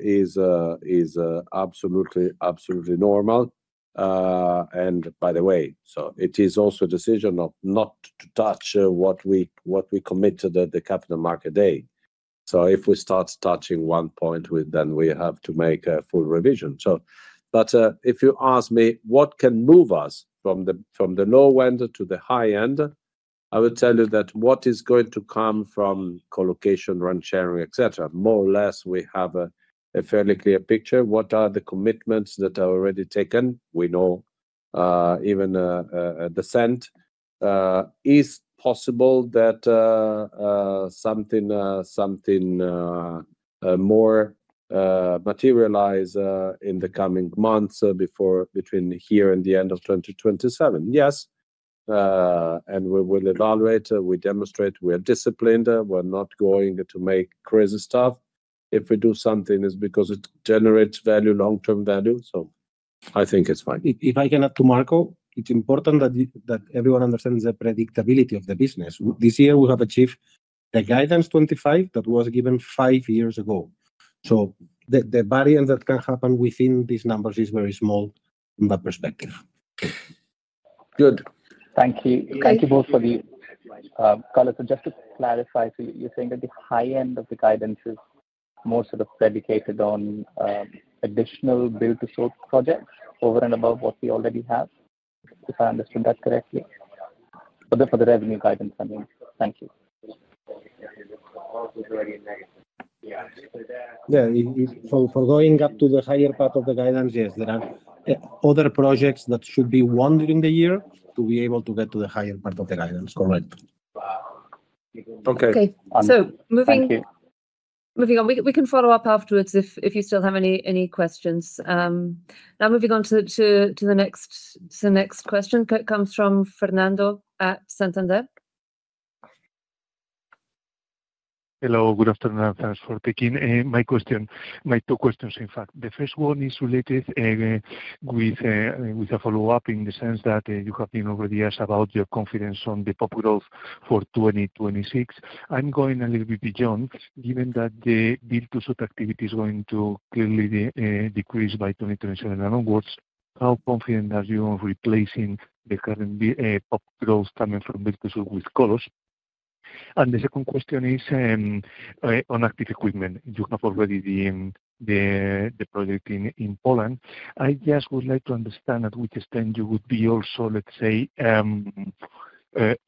is absolutely normal. And by the way, it is also a decision of not to touch what we commit to the Capital Markets Day. If we start touching one point, we then we have to make a full revision. But if you ask me, what can move us from the low end to the high end? I would tell you that what is going to come from colocation, rent sharing, et cetera. More or less, we have a fairly clear picture. What are the commitments that are already taken? We know even the scent. Is possible that something more materialize in the coming months before between here and the end of 2027? Yes. And we will evaluate, we demonstrate, we are disciplined, we're not going to make crazy stuff. If we do something, it's because it generates value, long-term value. I think it's fine. If I can add to Marco, it's important that everyone understands the predictability of the business. This year, we have achieved the guidance 2025, that was given five years ago. The variance that can happen within these numbers is very small from that perspective. Good. Thank you. Thank you both for the color. Just to clarify, you're saying that the high end of the guidance is more sort of dedicated on additional Build-to-Suit projects over and above what we already have? If I understood that correctly. For the revenue guidance, I mean. Thank you. Yeah. For going up to the higher part of the guidance, yes, there are other projects that should be one during the year, to be able to get to the higher part of the guidance. Correct. Okay. Okay. Thank you. Moving on. We can follow up afterwards if you still have any questions. Now moving on to the next question comes from Fernando at Santander. Hello, good afternoon, and thanks for taking my question. My two questions, in fact. The first one is related with a follow-up in the sense that you have been over the years about your confidence on the PoP growth for 2026. I'm going a little bit beyond, given that the Build-to-Suit activity is going to clearly decrease by 2027 and onwards, how confident are you of replacing the current PoP growth coming from Build-to-Suit with colos? The second question is on active equipment. You have already the project in Poland. I just would like to understand at which extent you would be also, let's say,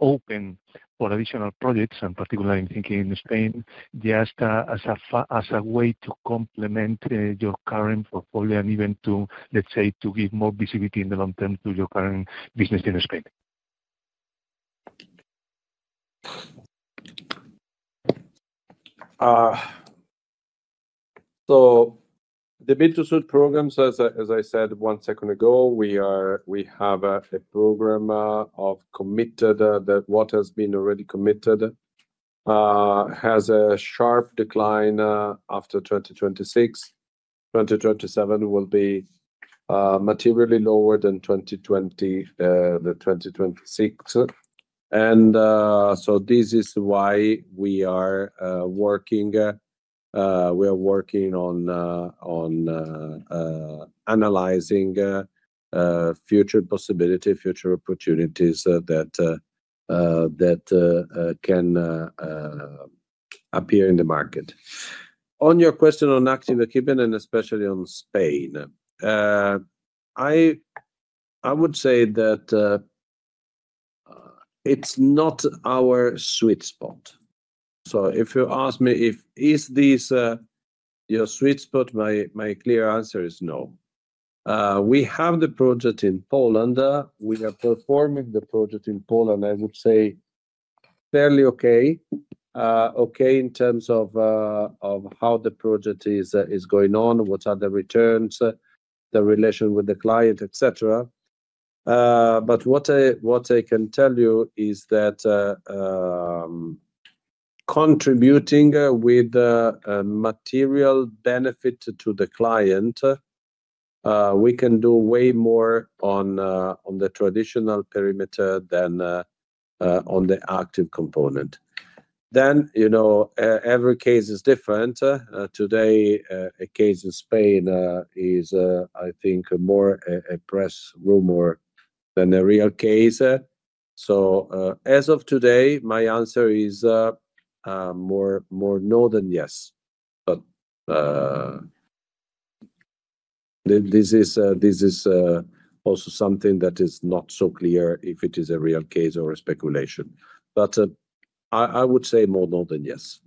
open for additional projects, and particularly I'm thinking in Spain, just, as a way to complement your current portfolio and even to, let's say, to give more visibility in the long term to your current business in Spain. Uh, so the build-to-suit programs, as I, as I said one second ago, we are- we have, uh, a program of committed that what has been already committed. Uh, has a sharp decline, uh, after 2026. 2027 will be, materially lower than 2026. And, uh, so this is why we are working on analyzing future possibility, future opportunities that appear in the market. On your question on active equipment and especially on Spain, I would say that it's not our sweet spot. So if you ask me if is this your sweet spot, my clear answer is no. We have the project in Poland. We are performing the project in Poland, I would say fairly okay. Okay, in terms of how the project is going on, what are the returns, the relation with the client, et cetera. What I can tell you is that contributing with a material benefit to the client, we can do way more on the traditional perimeter than on the active component. You know, every case is different. Today, a case in Spain is, I think, more a press rumor than a real case. As of today, my answer is more no than yes. This is also something that is not so clear, if it is a real case or a speculation. I would say more no than yes.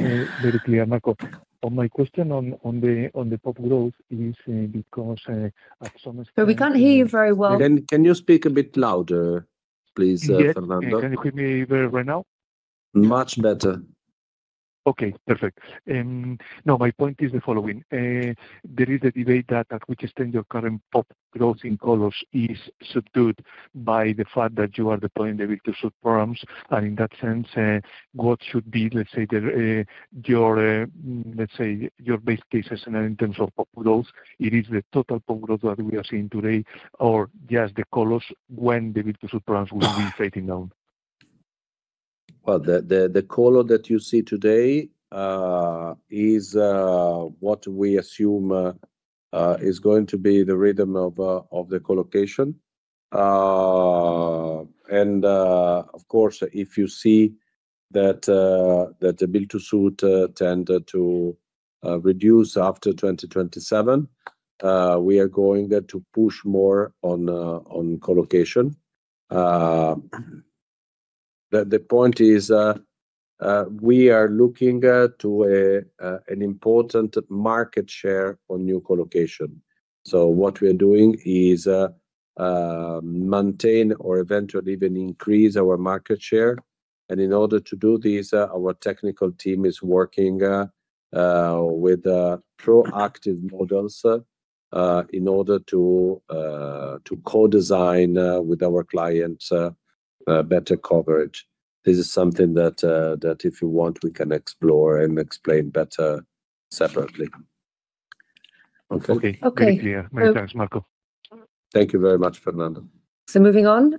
Very clear, Marco. On my question on the PoP growth is because. Sir, we can't hear you very well. Can you speak a bit louder, please, Fernando? Yeah. Can you hear me very well now? Much better. Okay, perfect. Now my point is the following: There is a debate that at which extent your current PoP growth in colos is subdued by the fact that you are deploying the Build-to-Suit programs. In that sense, what should be, let's say, the, your, let's say, your base cases in terms of PoP growth? It is the total PoP growth that we are seeing today, or just the colos when the Build-to-Suit programs will be fading down? Well, the colo that you see today is what we assume is going to be the rhythm of the colocation. Of course, if you see that the Build-to-Suit tend to reduce after 2027, we are going to push more on colocation. The point is, we are looking to an important market share on new colocation. What we are doing is maintain or eventually even increase our market share. In order to do this, our technical team is working with proactive models in order to co-design with our clients better coverage. This is something that if you want, we can explore and explain better separately. Okay? Okay. Okay. Very clear. Many thanks, Marco. Thank you very much, Fernando. Moving on,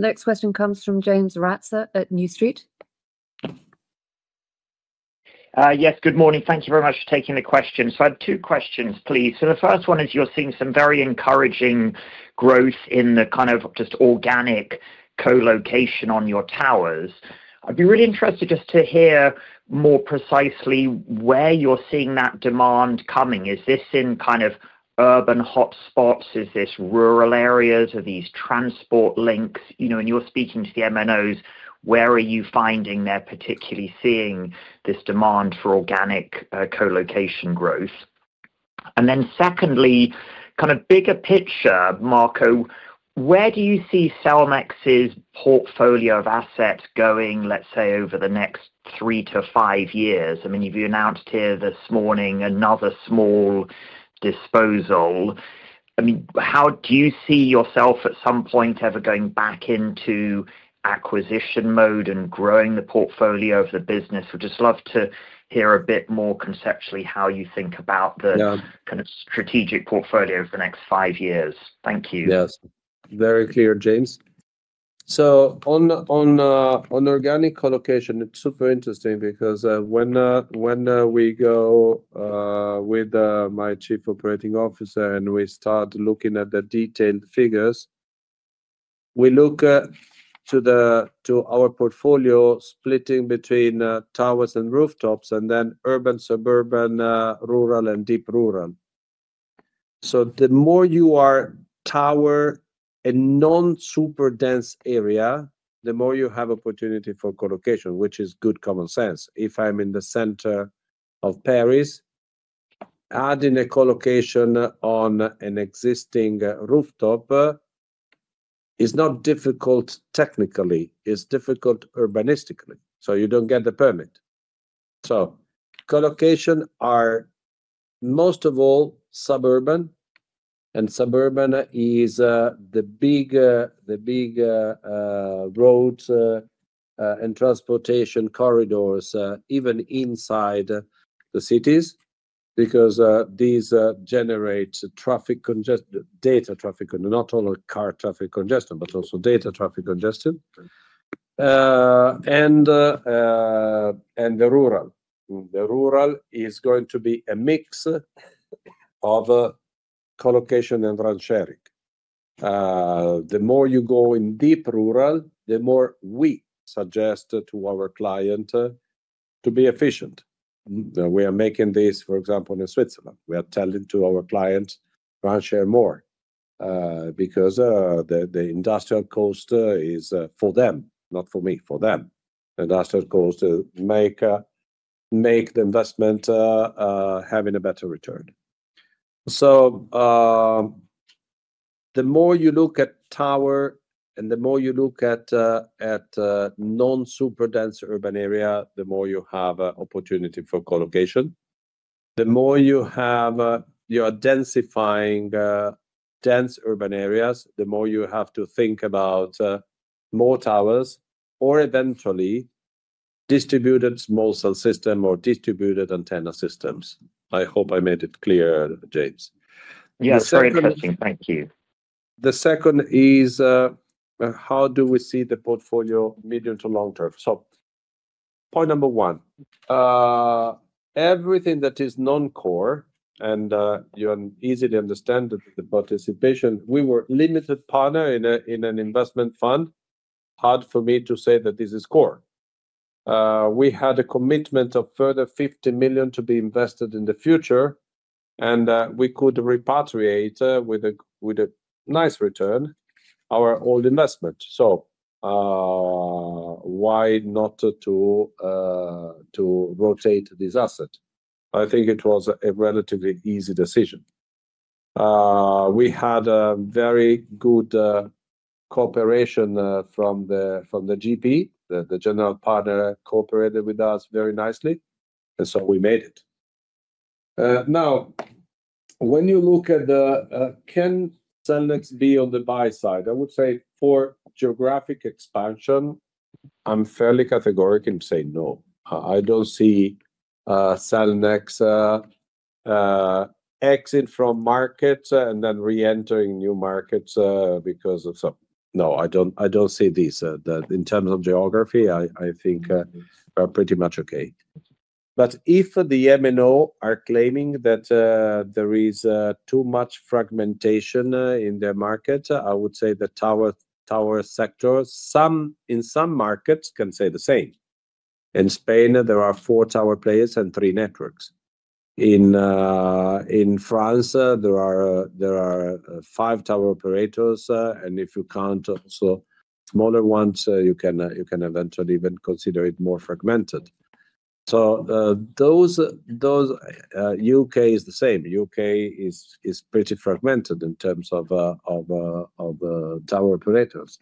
next question comes from James Ratzer at New Street. Yes, good morning. Thank you very much for taking the question. I have two questions, please. The first one is, you're seeing some very encouraging growth in the kind of just organic colocation on your towers. I'd be really interested just to hear more precisely where you're seeing that demand coming. Is this in kind of urban hotspots? Is this rural areas? Are these transport links, you know, and you're speaking to the MNOs, where are you finding they're particularly seeing this demand for organic, colocation growth? Secondly, kind of bigger picture, Marco, where do you see Cellnex's portfolio of assets going, let's say, over the next three to five years? I mean, you've announced here this morning another small disposal. I mean, how do you see yourself at some point ever going back into acquisition mode and growing the portfolio of the business? I'd just love to hear a bit more conceptually how you think about. Yeah kind of strategic portfolio for the next five years. Thank you. Yes. Very clear, James. On, on organic collocation, it's super interesting because when we go with my chief operating officer and we start looking at the detailed figures, we look at to our portfolio, splitting it between towers and rooftops, and then urban, suburban, rural, and deep rural. The more you are tower a non-super dense area, the more you have opportunity for collocation, which is good common sense. If I'm in the center of Paris, adding a collocation on an existing rooftop is not difficult technically. It's difficult urbanistically. You don't get the permit. Collocations are most of all suburban, and suburban is the bigger roads, and transportation corridors, even inside the cities, because these generate traffic congest- data traffic, and not only car traffic congestion, but also data traffic congestion. The rural is going to be a mix of collocation and RAN sharing. The more you go in deep rural, the more we suggest to our client, to be efficient. We are making this, for example, in Switzerland. We are telling to our clients, RAN share more, because the industrial cost, is for them, not for me, for them. Industrial cost, make the investment, having a better return. The more you look at tower and the more you look at non-super dense urban area, the more you have a opportunity for collocation. The more you have, you are densifying, dense urban areas, the more you have to think about more towers or eventually distributed Small Cell system or distributed antenna systems. I hope I made it clear, James. Yes, very interesting. Thank you. The second is, how do we see the portfolio medium to long term? Point number one, everything that is non-core and, you can easily understand the participation. We were a limited partner in an investment fund. Hard for me to say that this is core. We had a commitment of further 50 million to be invested in the future, and, we could repatriate with a nice return, our old investment. Why not to rotate this asset? I think it was a relatively easy decision. We had a very good cooperation from the GP. The general partner cooperated with us very nicely. We made it. When you look at the, can Cellnex be on the buy side? I would say for geographic expansion, I'm fairly categoric in saying no. I don't see Cellnex exit from markets and then re-entering new markets because of so. No, I don't see this. In terms of geography, I think we are pretty much okay. If the MNO are claiming that there is too much fragmentation in their market, I would say the tower sector, in some markets can say the same. In Spain, there are four tower players and three networks. In France, there are five tower operators, and if you count also smaller ones, you can eventually even consider it more fragmented. Those, those, U.K. is the same. U.K. is pretty fragmented in terms of tower operators.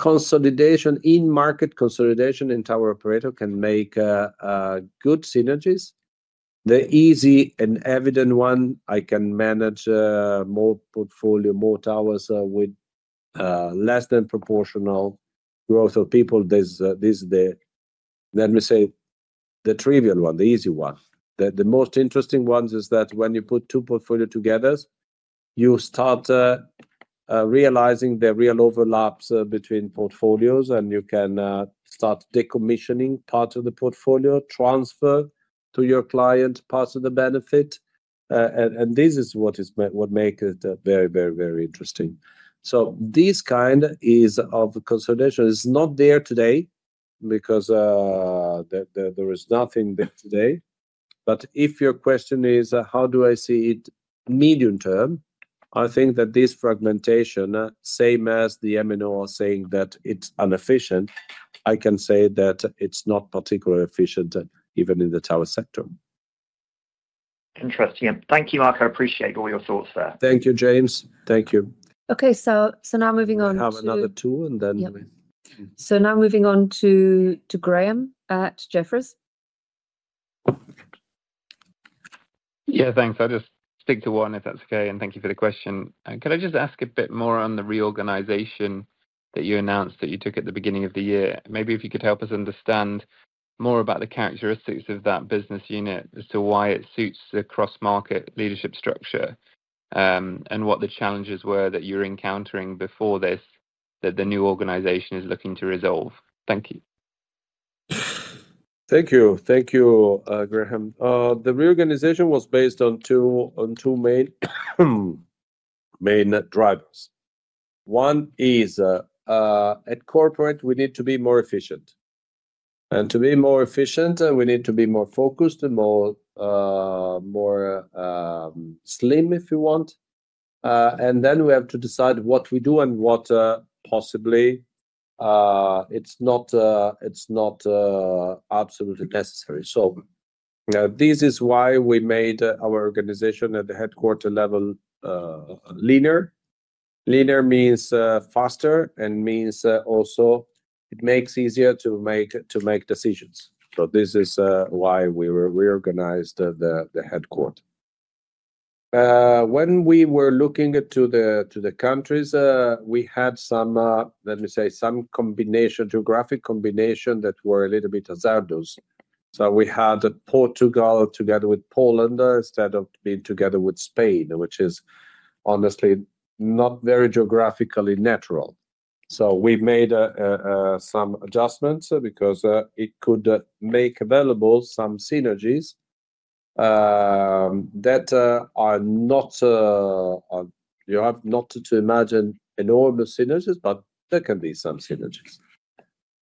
Consolidation in market, consolidation in tower operator can make good synergies. The easy and evident one, I can manage more portfolio, more towers with less than proportional growth of people. There's the, let me say, the trivial one, the easy one. The most interesting ones is that when you put two portfolio together, you start realizing there are real overlaps between portfolios, and you can start decommissioning part of the portfolio, transfer to your client part of the benefit. And this is what make it very, very, very interesting. This kind of consolidation is not there today because the, there is nothing there today. If your question is, how do I see it medium term? I think that this fragmentation, same as the MNO, are saying that it's inefficient. I can say that it's not particularly efficient, even in the tower sector. Interesting. Thank you, Marco. I appreciate all your thoughts there. Thank you, James. Thank you. Okay, now moving on to- We have another two, and then we-. Yep. Now moving on to Graham at Jefferies? Yeah, thanks. I'll just stick to one, if that's okay, and thank you for the question. Could I just ask a bit more on the reorganization that you announced that you took at the beginning of the year? Maybe if you could help us understand more about the characteristics of that business unit as to why it suits the cross-market leadership structure, and what the challenges were that you were encountering before this, that the new organization is looking to resolve. Thank you. Thank you. Thank you, Graham. The reorganization was based on two main drivers. One is, at corporate, we need to be more efficient. To be more efficient, we need to be more focused and more slim, if you want. Then we have to decide what we do and what, possibly, it's not, it's not, absolutely necessary. This is why we made our organization at the headquarter level, linear. Linear means faster, and means also it makes easier to make decisions. This is why we reorganized the headquarter. When we were looking at to the countries, we had some, let me say, some geographic combination that were a little bit hazardous. We had Portugal together with Poland, instead of being together with Spain, which is honestly not very geographically natural. We've made some adjustments, because it could make available some synergies that are not you have not to imagine enormous synergies, but there can be some synergies.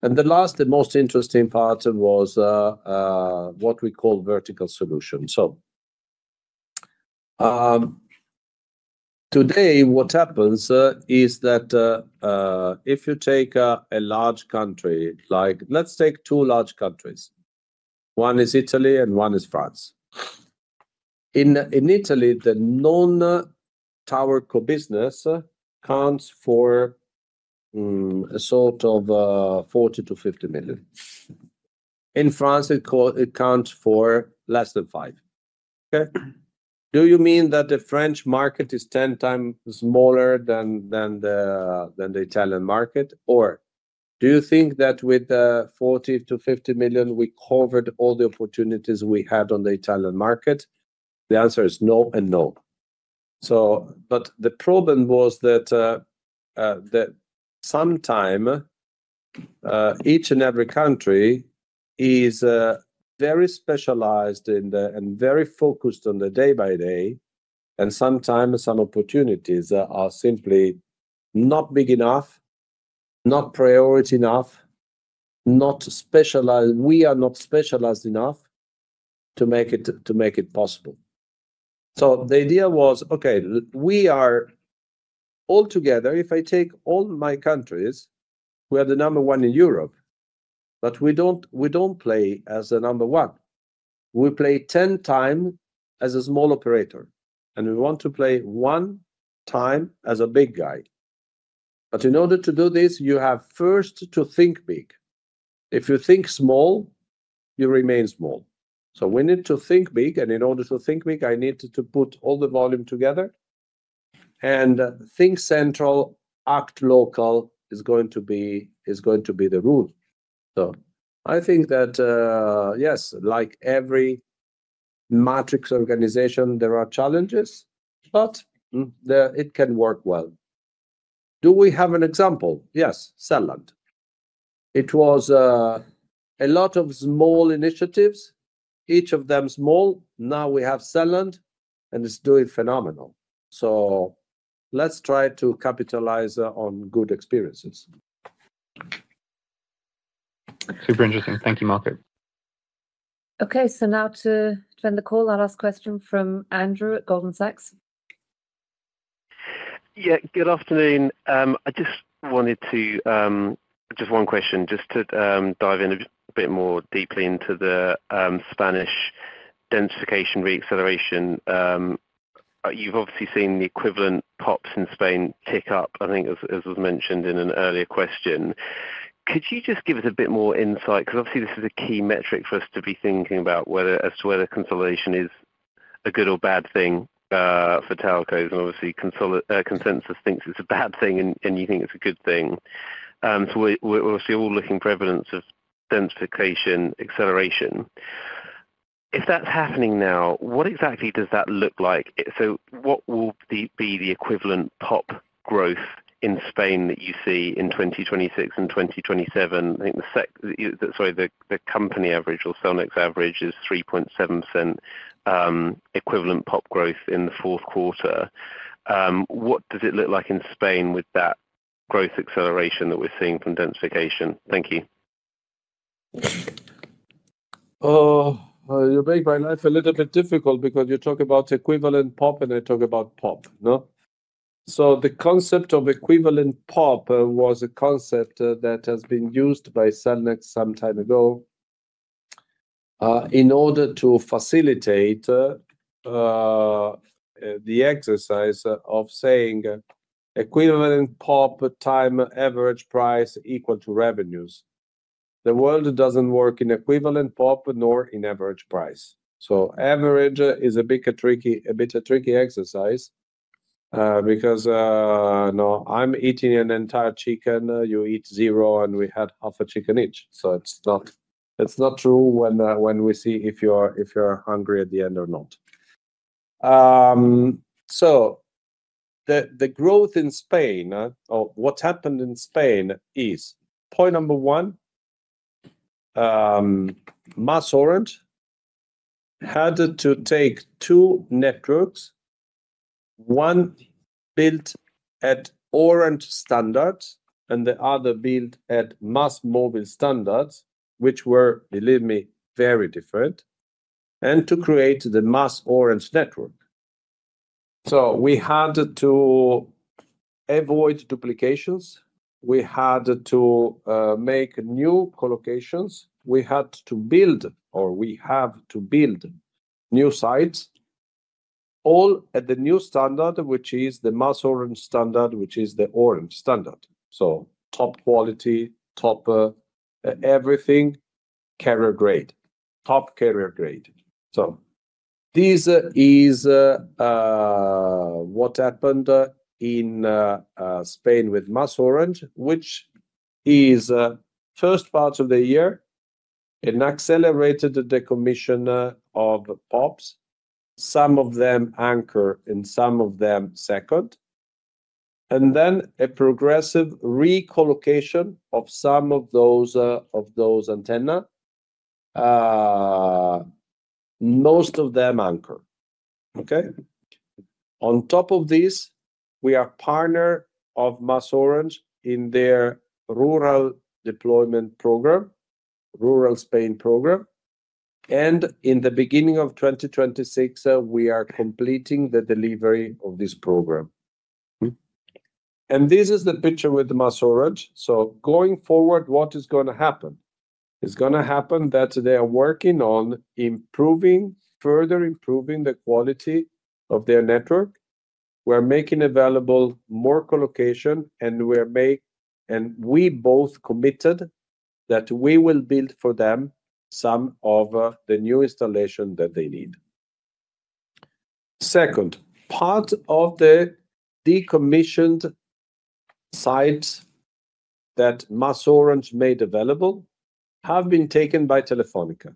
The last and most interesting part was what we call vertical solution. Today, what happens is that if you take a large country, like let's take two large countries. One is Italy and one is France. In Italy, the non-TowerCo business accounts for a sort of 40 million-50 million. In France, it accounts for less than 5 million. Okay? Do you mean that the French market is 10x smaller than the Italian market? Do you think that with the 40 million-50 million, we covered all the opportunities we had on the Italian market? The answer is no and no. The problem was that sometime each and every country is very specialized and very focused on the day by day, and sometimes some opportunities are simply not big enough, not priority enough, not specialized enough to make it, to make it possible. The idea was, okay, we are all together. If I take all my countries, we are the number one in Europe, but we don't, we don't play as the number one. We play 10x as a small operator, and we want to play one time as a big guy. In order to do this, you have first to think big. If you think small, you remain small. We need to think big, and in order to think big, I need to put all the volume together and think central, act local is going to be the rule. I think that, yes, like every matrix organization, there are challenges, but it can work well. Do we have an example? Yes, Celland. It was a lot of small initiatives, each of them small. Now we have Celland, and it's doing phenomenal. Let's try to capitalize on good experiences. Super interesting. Thank you, Marco. Okay, now to turn the call, our last question from Andrew at Goldman Sachs. Good afternoon. I just wanted to, just one question, just to dive in a bit more deeply into the Spanish densification reacceleration. You've obviously seen the equivalent POPs in Spain tick up, I think, as was mentioned in an earlier question. Could you just give us a bit more insight? Obviously, this is a key metric for us to be thinking about as to whether consolidation is a good or bad thing for telcos. Obviously, consolidation consensus thinks it's a bad thing, and you think it's a good thing. We're obviously all looking for evidence of densification acceleration. If that's happening now, what exactly does that look like? What will be the equivalent POP growth in Spain that you see in 2026 and 2027? I think sorry, the company average or Cellnex average is 3.7% equivalent PoP growth in the Q4. What does it look like in Spain with that growth acceleration that we're seeing from densification? Thank you. You make my life a little bit difficult because you talk about equivalent PoP, and I talk about PoP. No. The concept of equivalent PoP was a concept that has been used by Cellnex some time ago, in order to facilitate the exercise of saying equivalent PoP time, average price equal to revenues. The world doesn't work in equivalent PoP nor in average price. Average is a bit tricky, a bit of tricky exercise, because now I'm eating an entire chicken, you eat 0, and we had half a chicken each. It's not true when we see if you are hungry at the end or not. The growth in Spain, or what happened in Spain is, point number one, MasOrange had to take two networks, one built at Orange standards and the other built at MásMóvil standards, which were, believe me, very different, and to create the MasOrange network. We had to avoid duplications, we had to make new co-locations, we had to build or we have to build new sites, all at the new standard which is the MasOrange standard, which is the Orange standard. Top quality, top everything, carrier grade. Top carrier grade. This is what happened in Spain with MasOrange, which is first part of the year, an accelerated decommission of the PoPs. Some of them anchor, and some of them second, and then a progressive re-colocation of some of those of those antenna, most of them anchor. Okay? On top of this, we are partner of MasOrange in their rural deployment program, rural Spain program, and in the beginning of 2026, we are completing the delivery of this program. This is the picture with the MasOrange. Going forward, what is gonna happen? It's gonna happen that they are working on improving, further improving the quality of their network. We're making available more co-location, and we both committed that we will build for them some of the new installation that they need. Second, part of the decommissioned sites that MasOrange made available have been taken by Telefónica.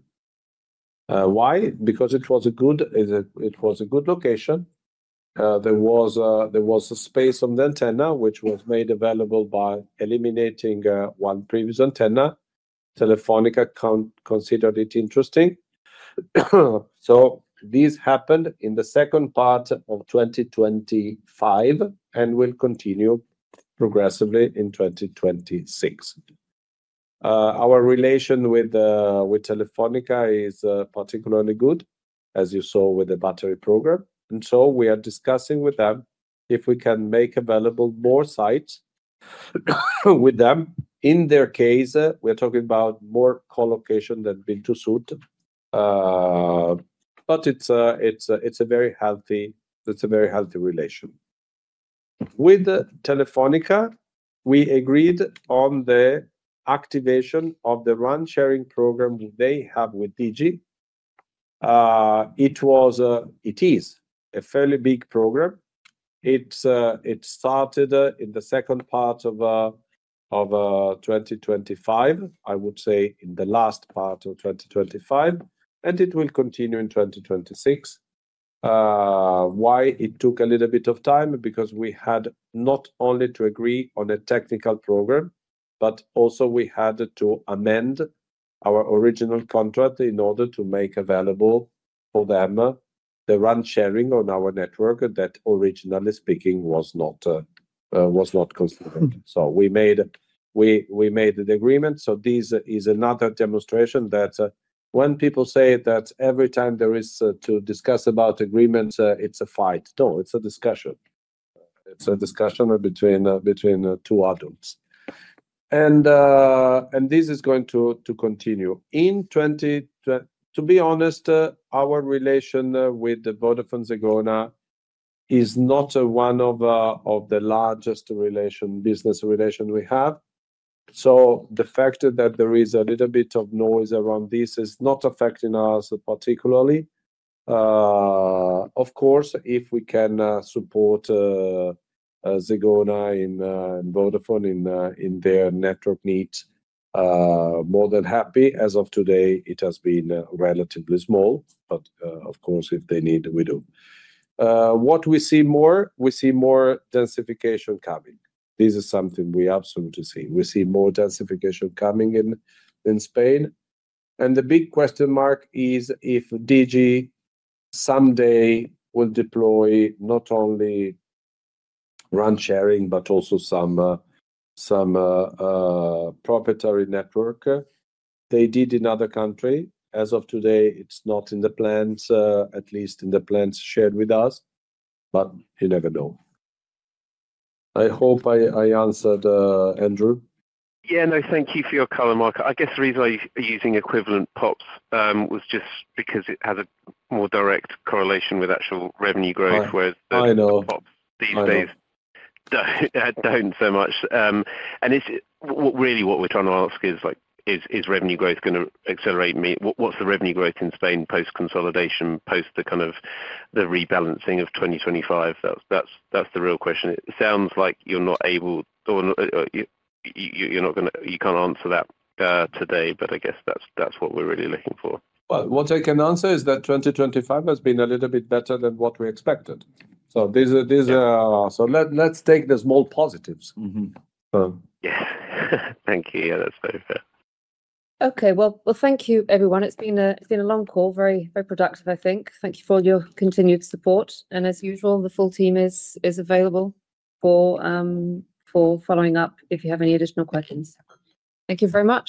Why? Because it was a good, it was a good location. There was a space on the antenna, which was made available by eliminating one previous antenna. Telefónica considered it interesting. This happened in the second part of 2025, and will continue progressively in 2026. Our relation with Telefónica is particularly good, as you saw with the battery program, we are discussing with them if we can make available more sites with them. In their case, we're talking about more co-location than Build-to-Suit. It's a very healthy relation. With Telefónica, we agreed on the activation of the RAN sharing program they have with Play. It was, it is a fairly big program. It's, it started in the second part of 2025. I would say in the last part of 2025. It will continue in 2026. Why it took a little bit of time? Because we had not only to agree on a technical program, but also we had to amend our original contract in order to make available for them, the RAN sharing on our network that originally speaking, was not, was not considered. We made the agreement. This is another demonstration that when people say that every time there is to discuss about agreement, it's a fight. No, it's a discussion. It's a discussion between two adults. This is going to continue. To be honest, our relation with the VodafoneZiggo is not one of the largest relation, business relation we have. The fact that there is a little bit of noise around this is not affecting us particularly. Of course, if we can support VodafoneZiggo and Vodafone in their network needs, more than happy. As of today, it has been relatively small, but of course, if they need, we do. What we see more? We see more densification coming. This is something we absolutely see. We see more densification coming in Spain, and the big question mark is if Play someday will deploy not only RAN sharing, but also some proprietary network they did in other country. As of today, it's not in the plans, at least in the plans shared with us, but you never know. I hope I answered Andrew. No, thank you for your color, Marco. I guess the reason I'm using equivalent PoPs was just because it has a more direct correlation with actual revenue growth. I know. Whereas these days, don't so much. It's, really what we're trying to ask is, like, is revenue growth gonna accelerate? What's the revenue growth in Spain post-consolidation, post the kind of the rebalancing of 2025? That's the real question. It sounds like you're not able or you're not you can't answer that today, but I guess that's what we're really looking for. What I can answer is that 2025 has been a little bit better than what we expected. Yeah. Let's take the small positives. Yeah. Thank you. Yeah, that's very fair. Okay. Well, thank you, everyone. It's been a long call. Very, very productive, I think. Thank you for your continued support. As usual, the full team is available for following up, if you have any additional questions. Thank you very much.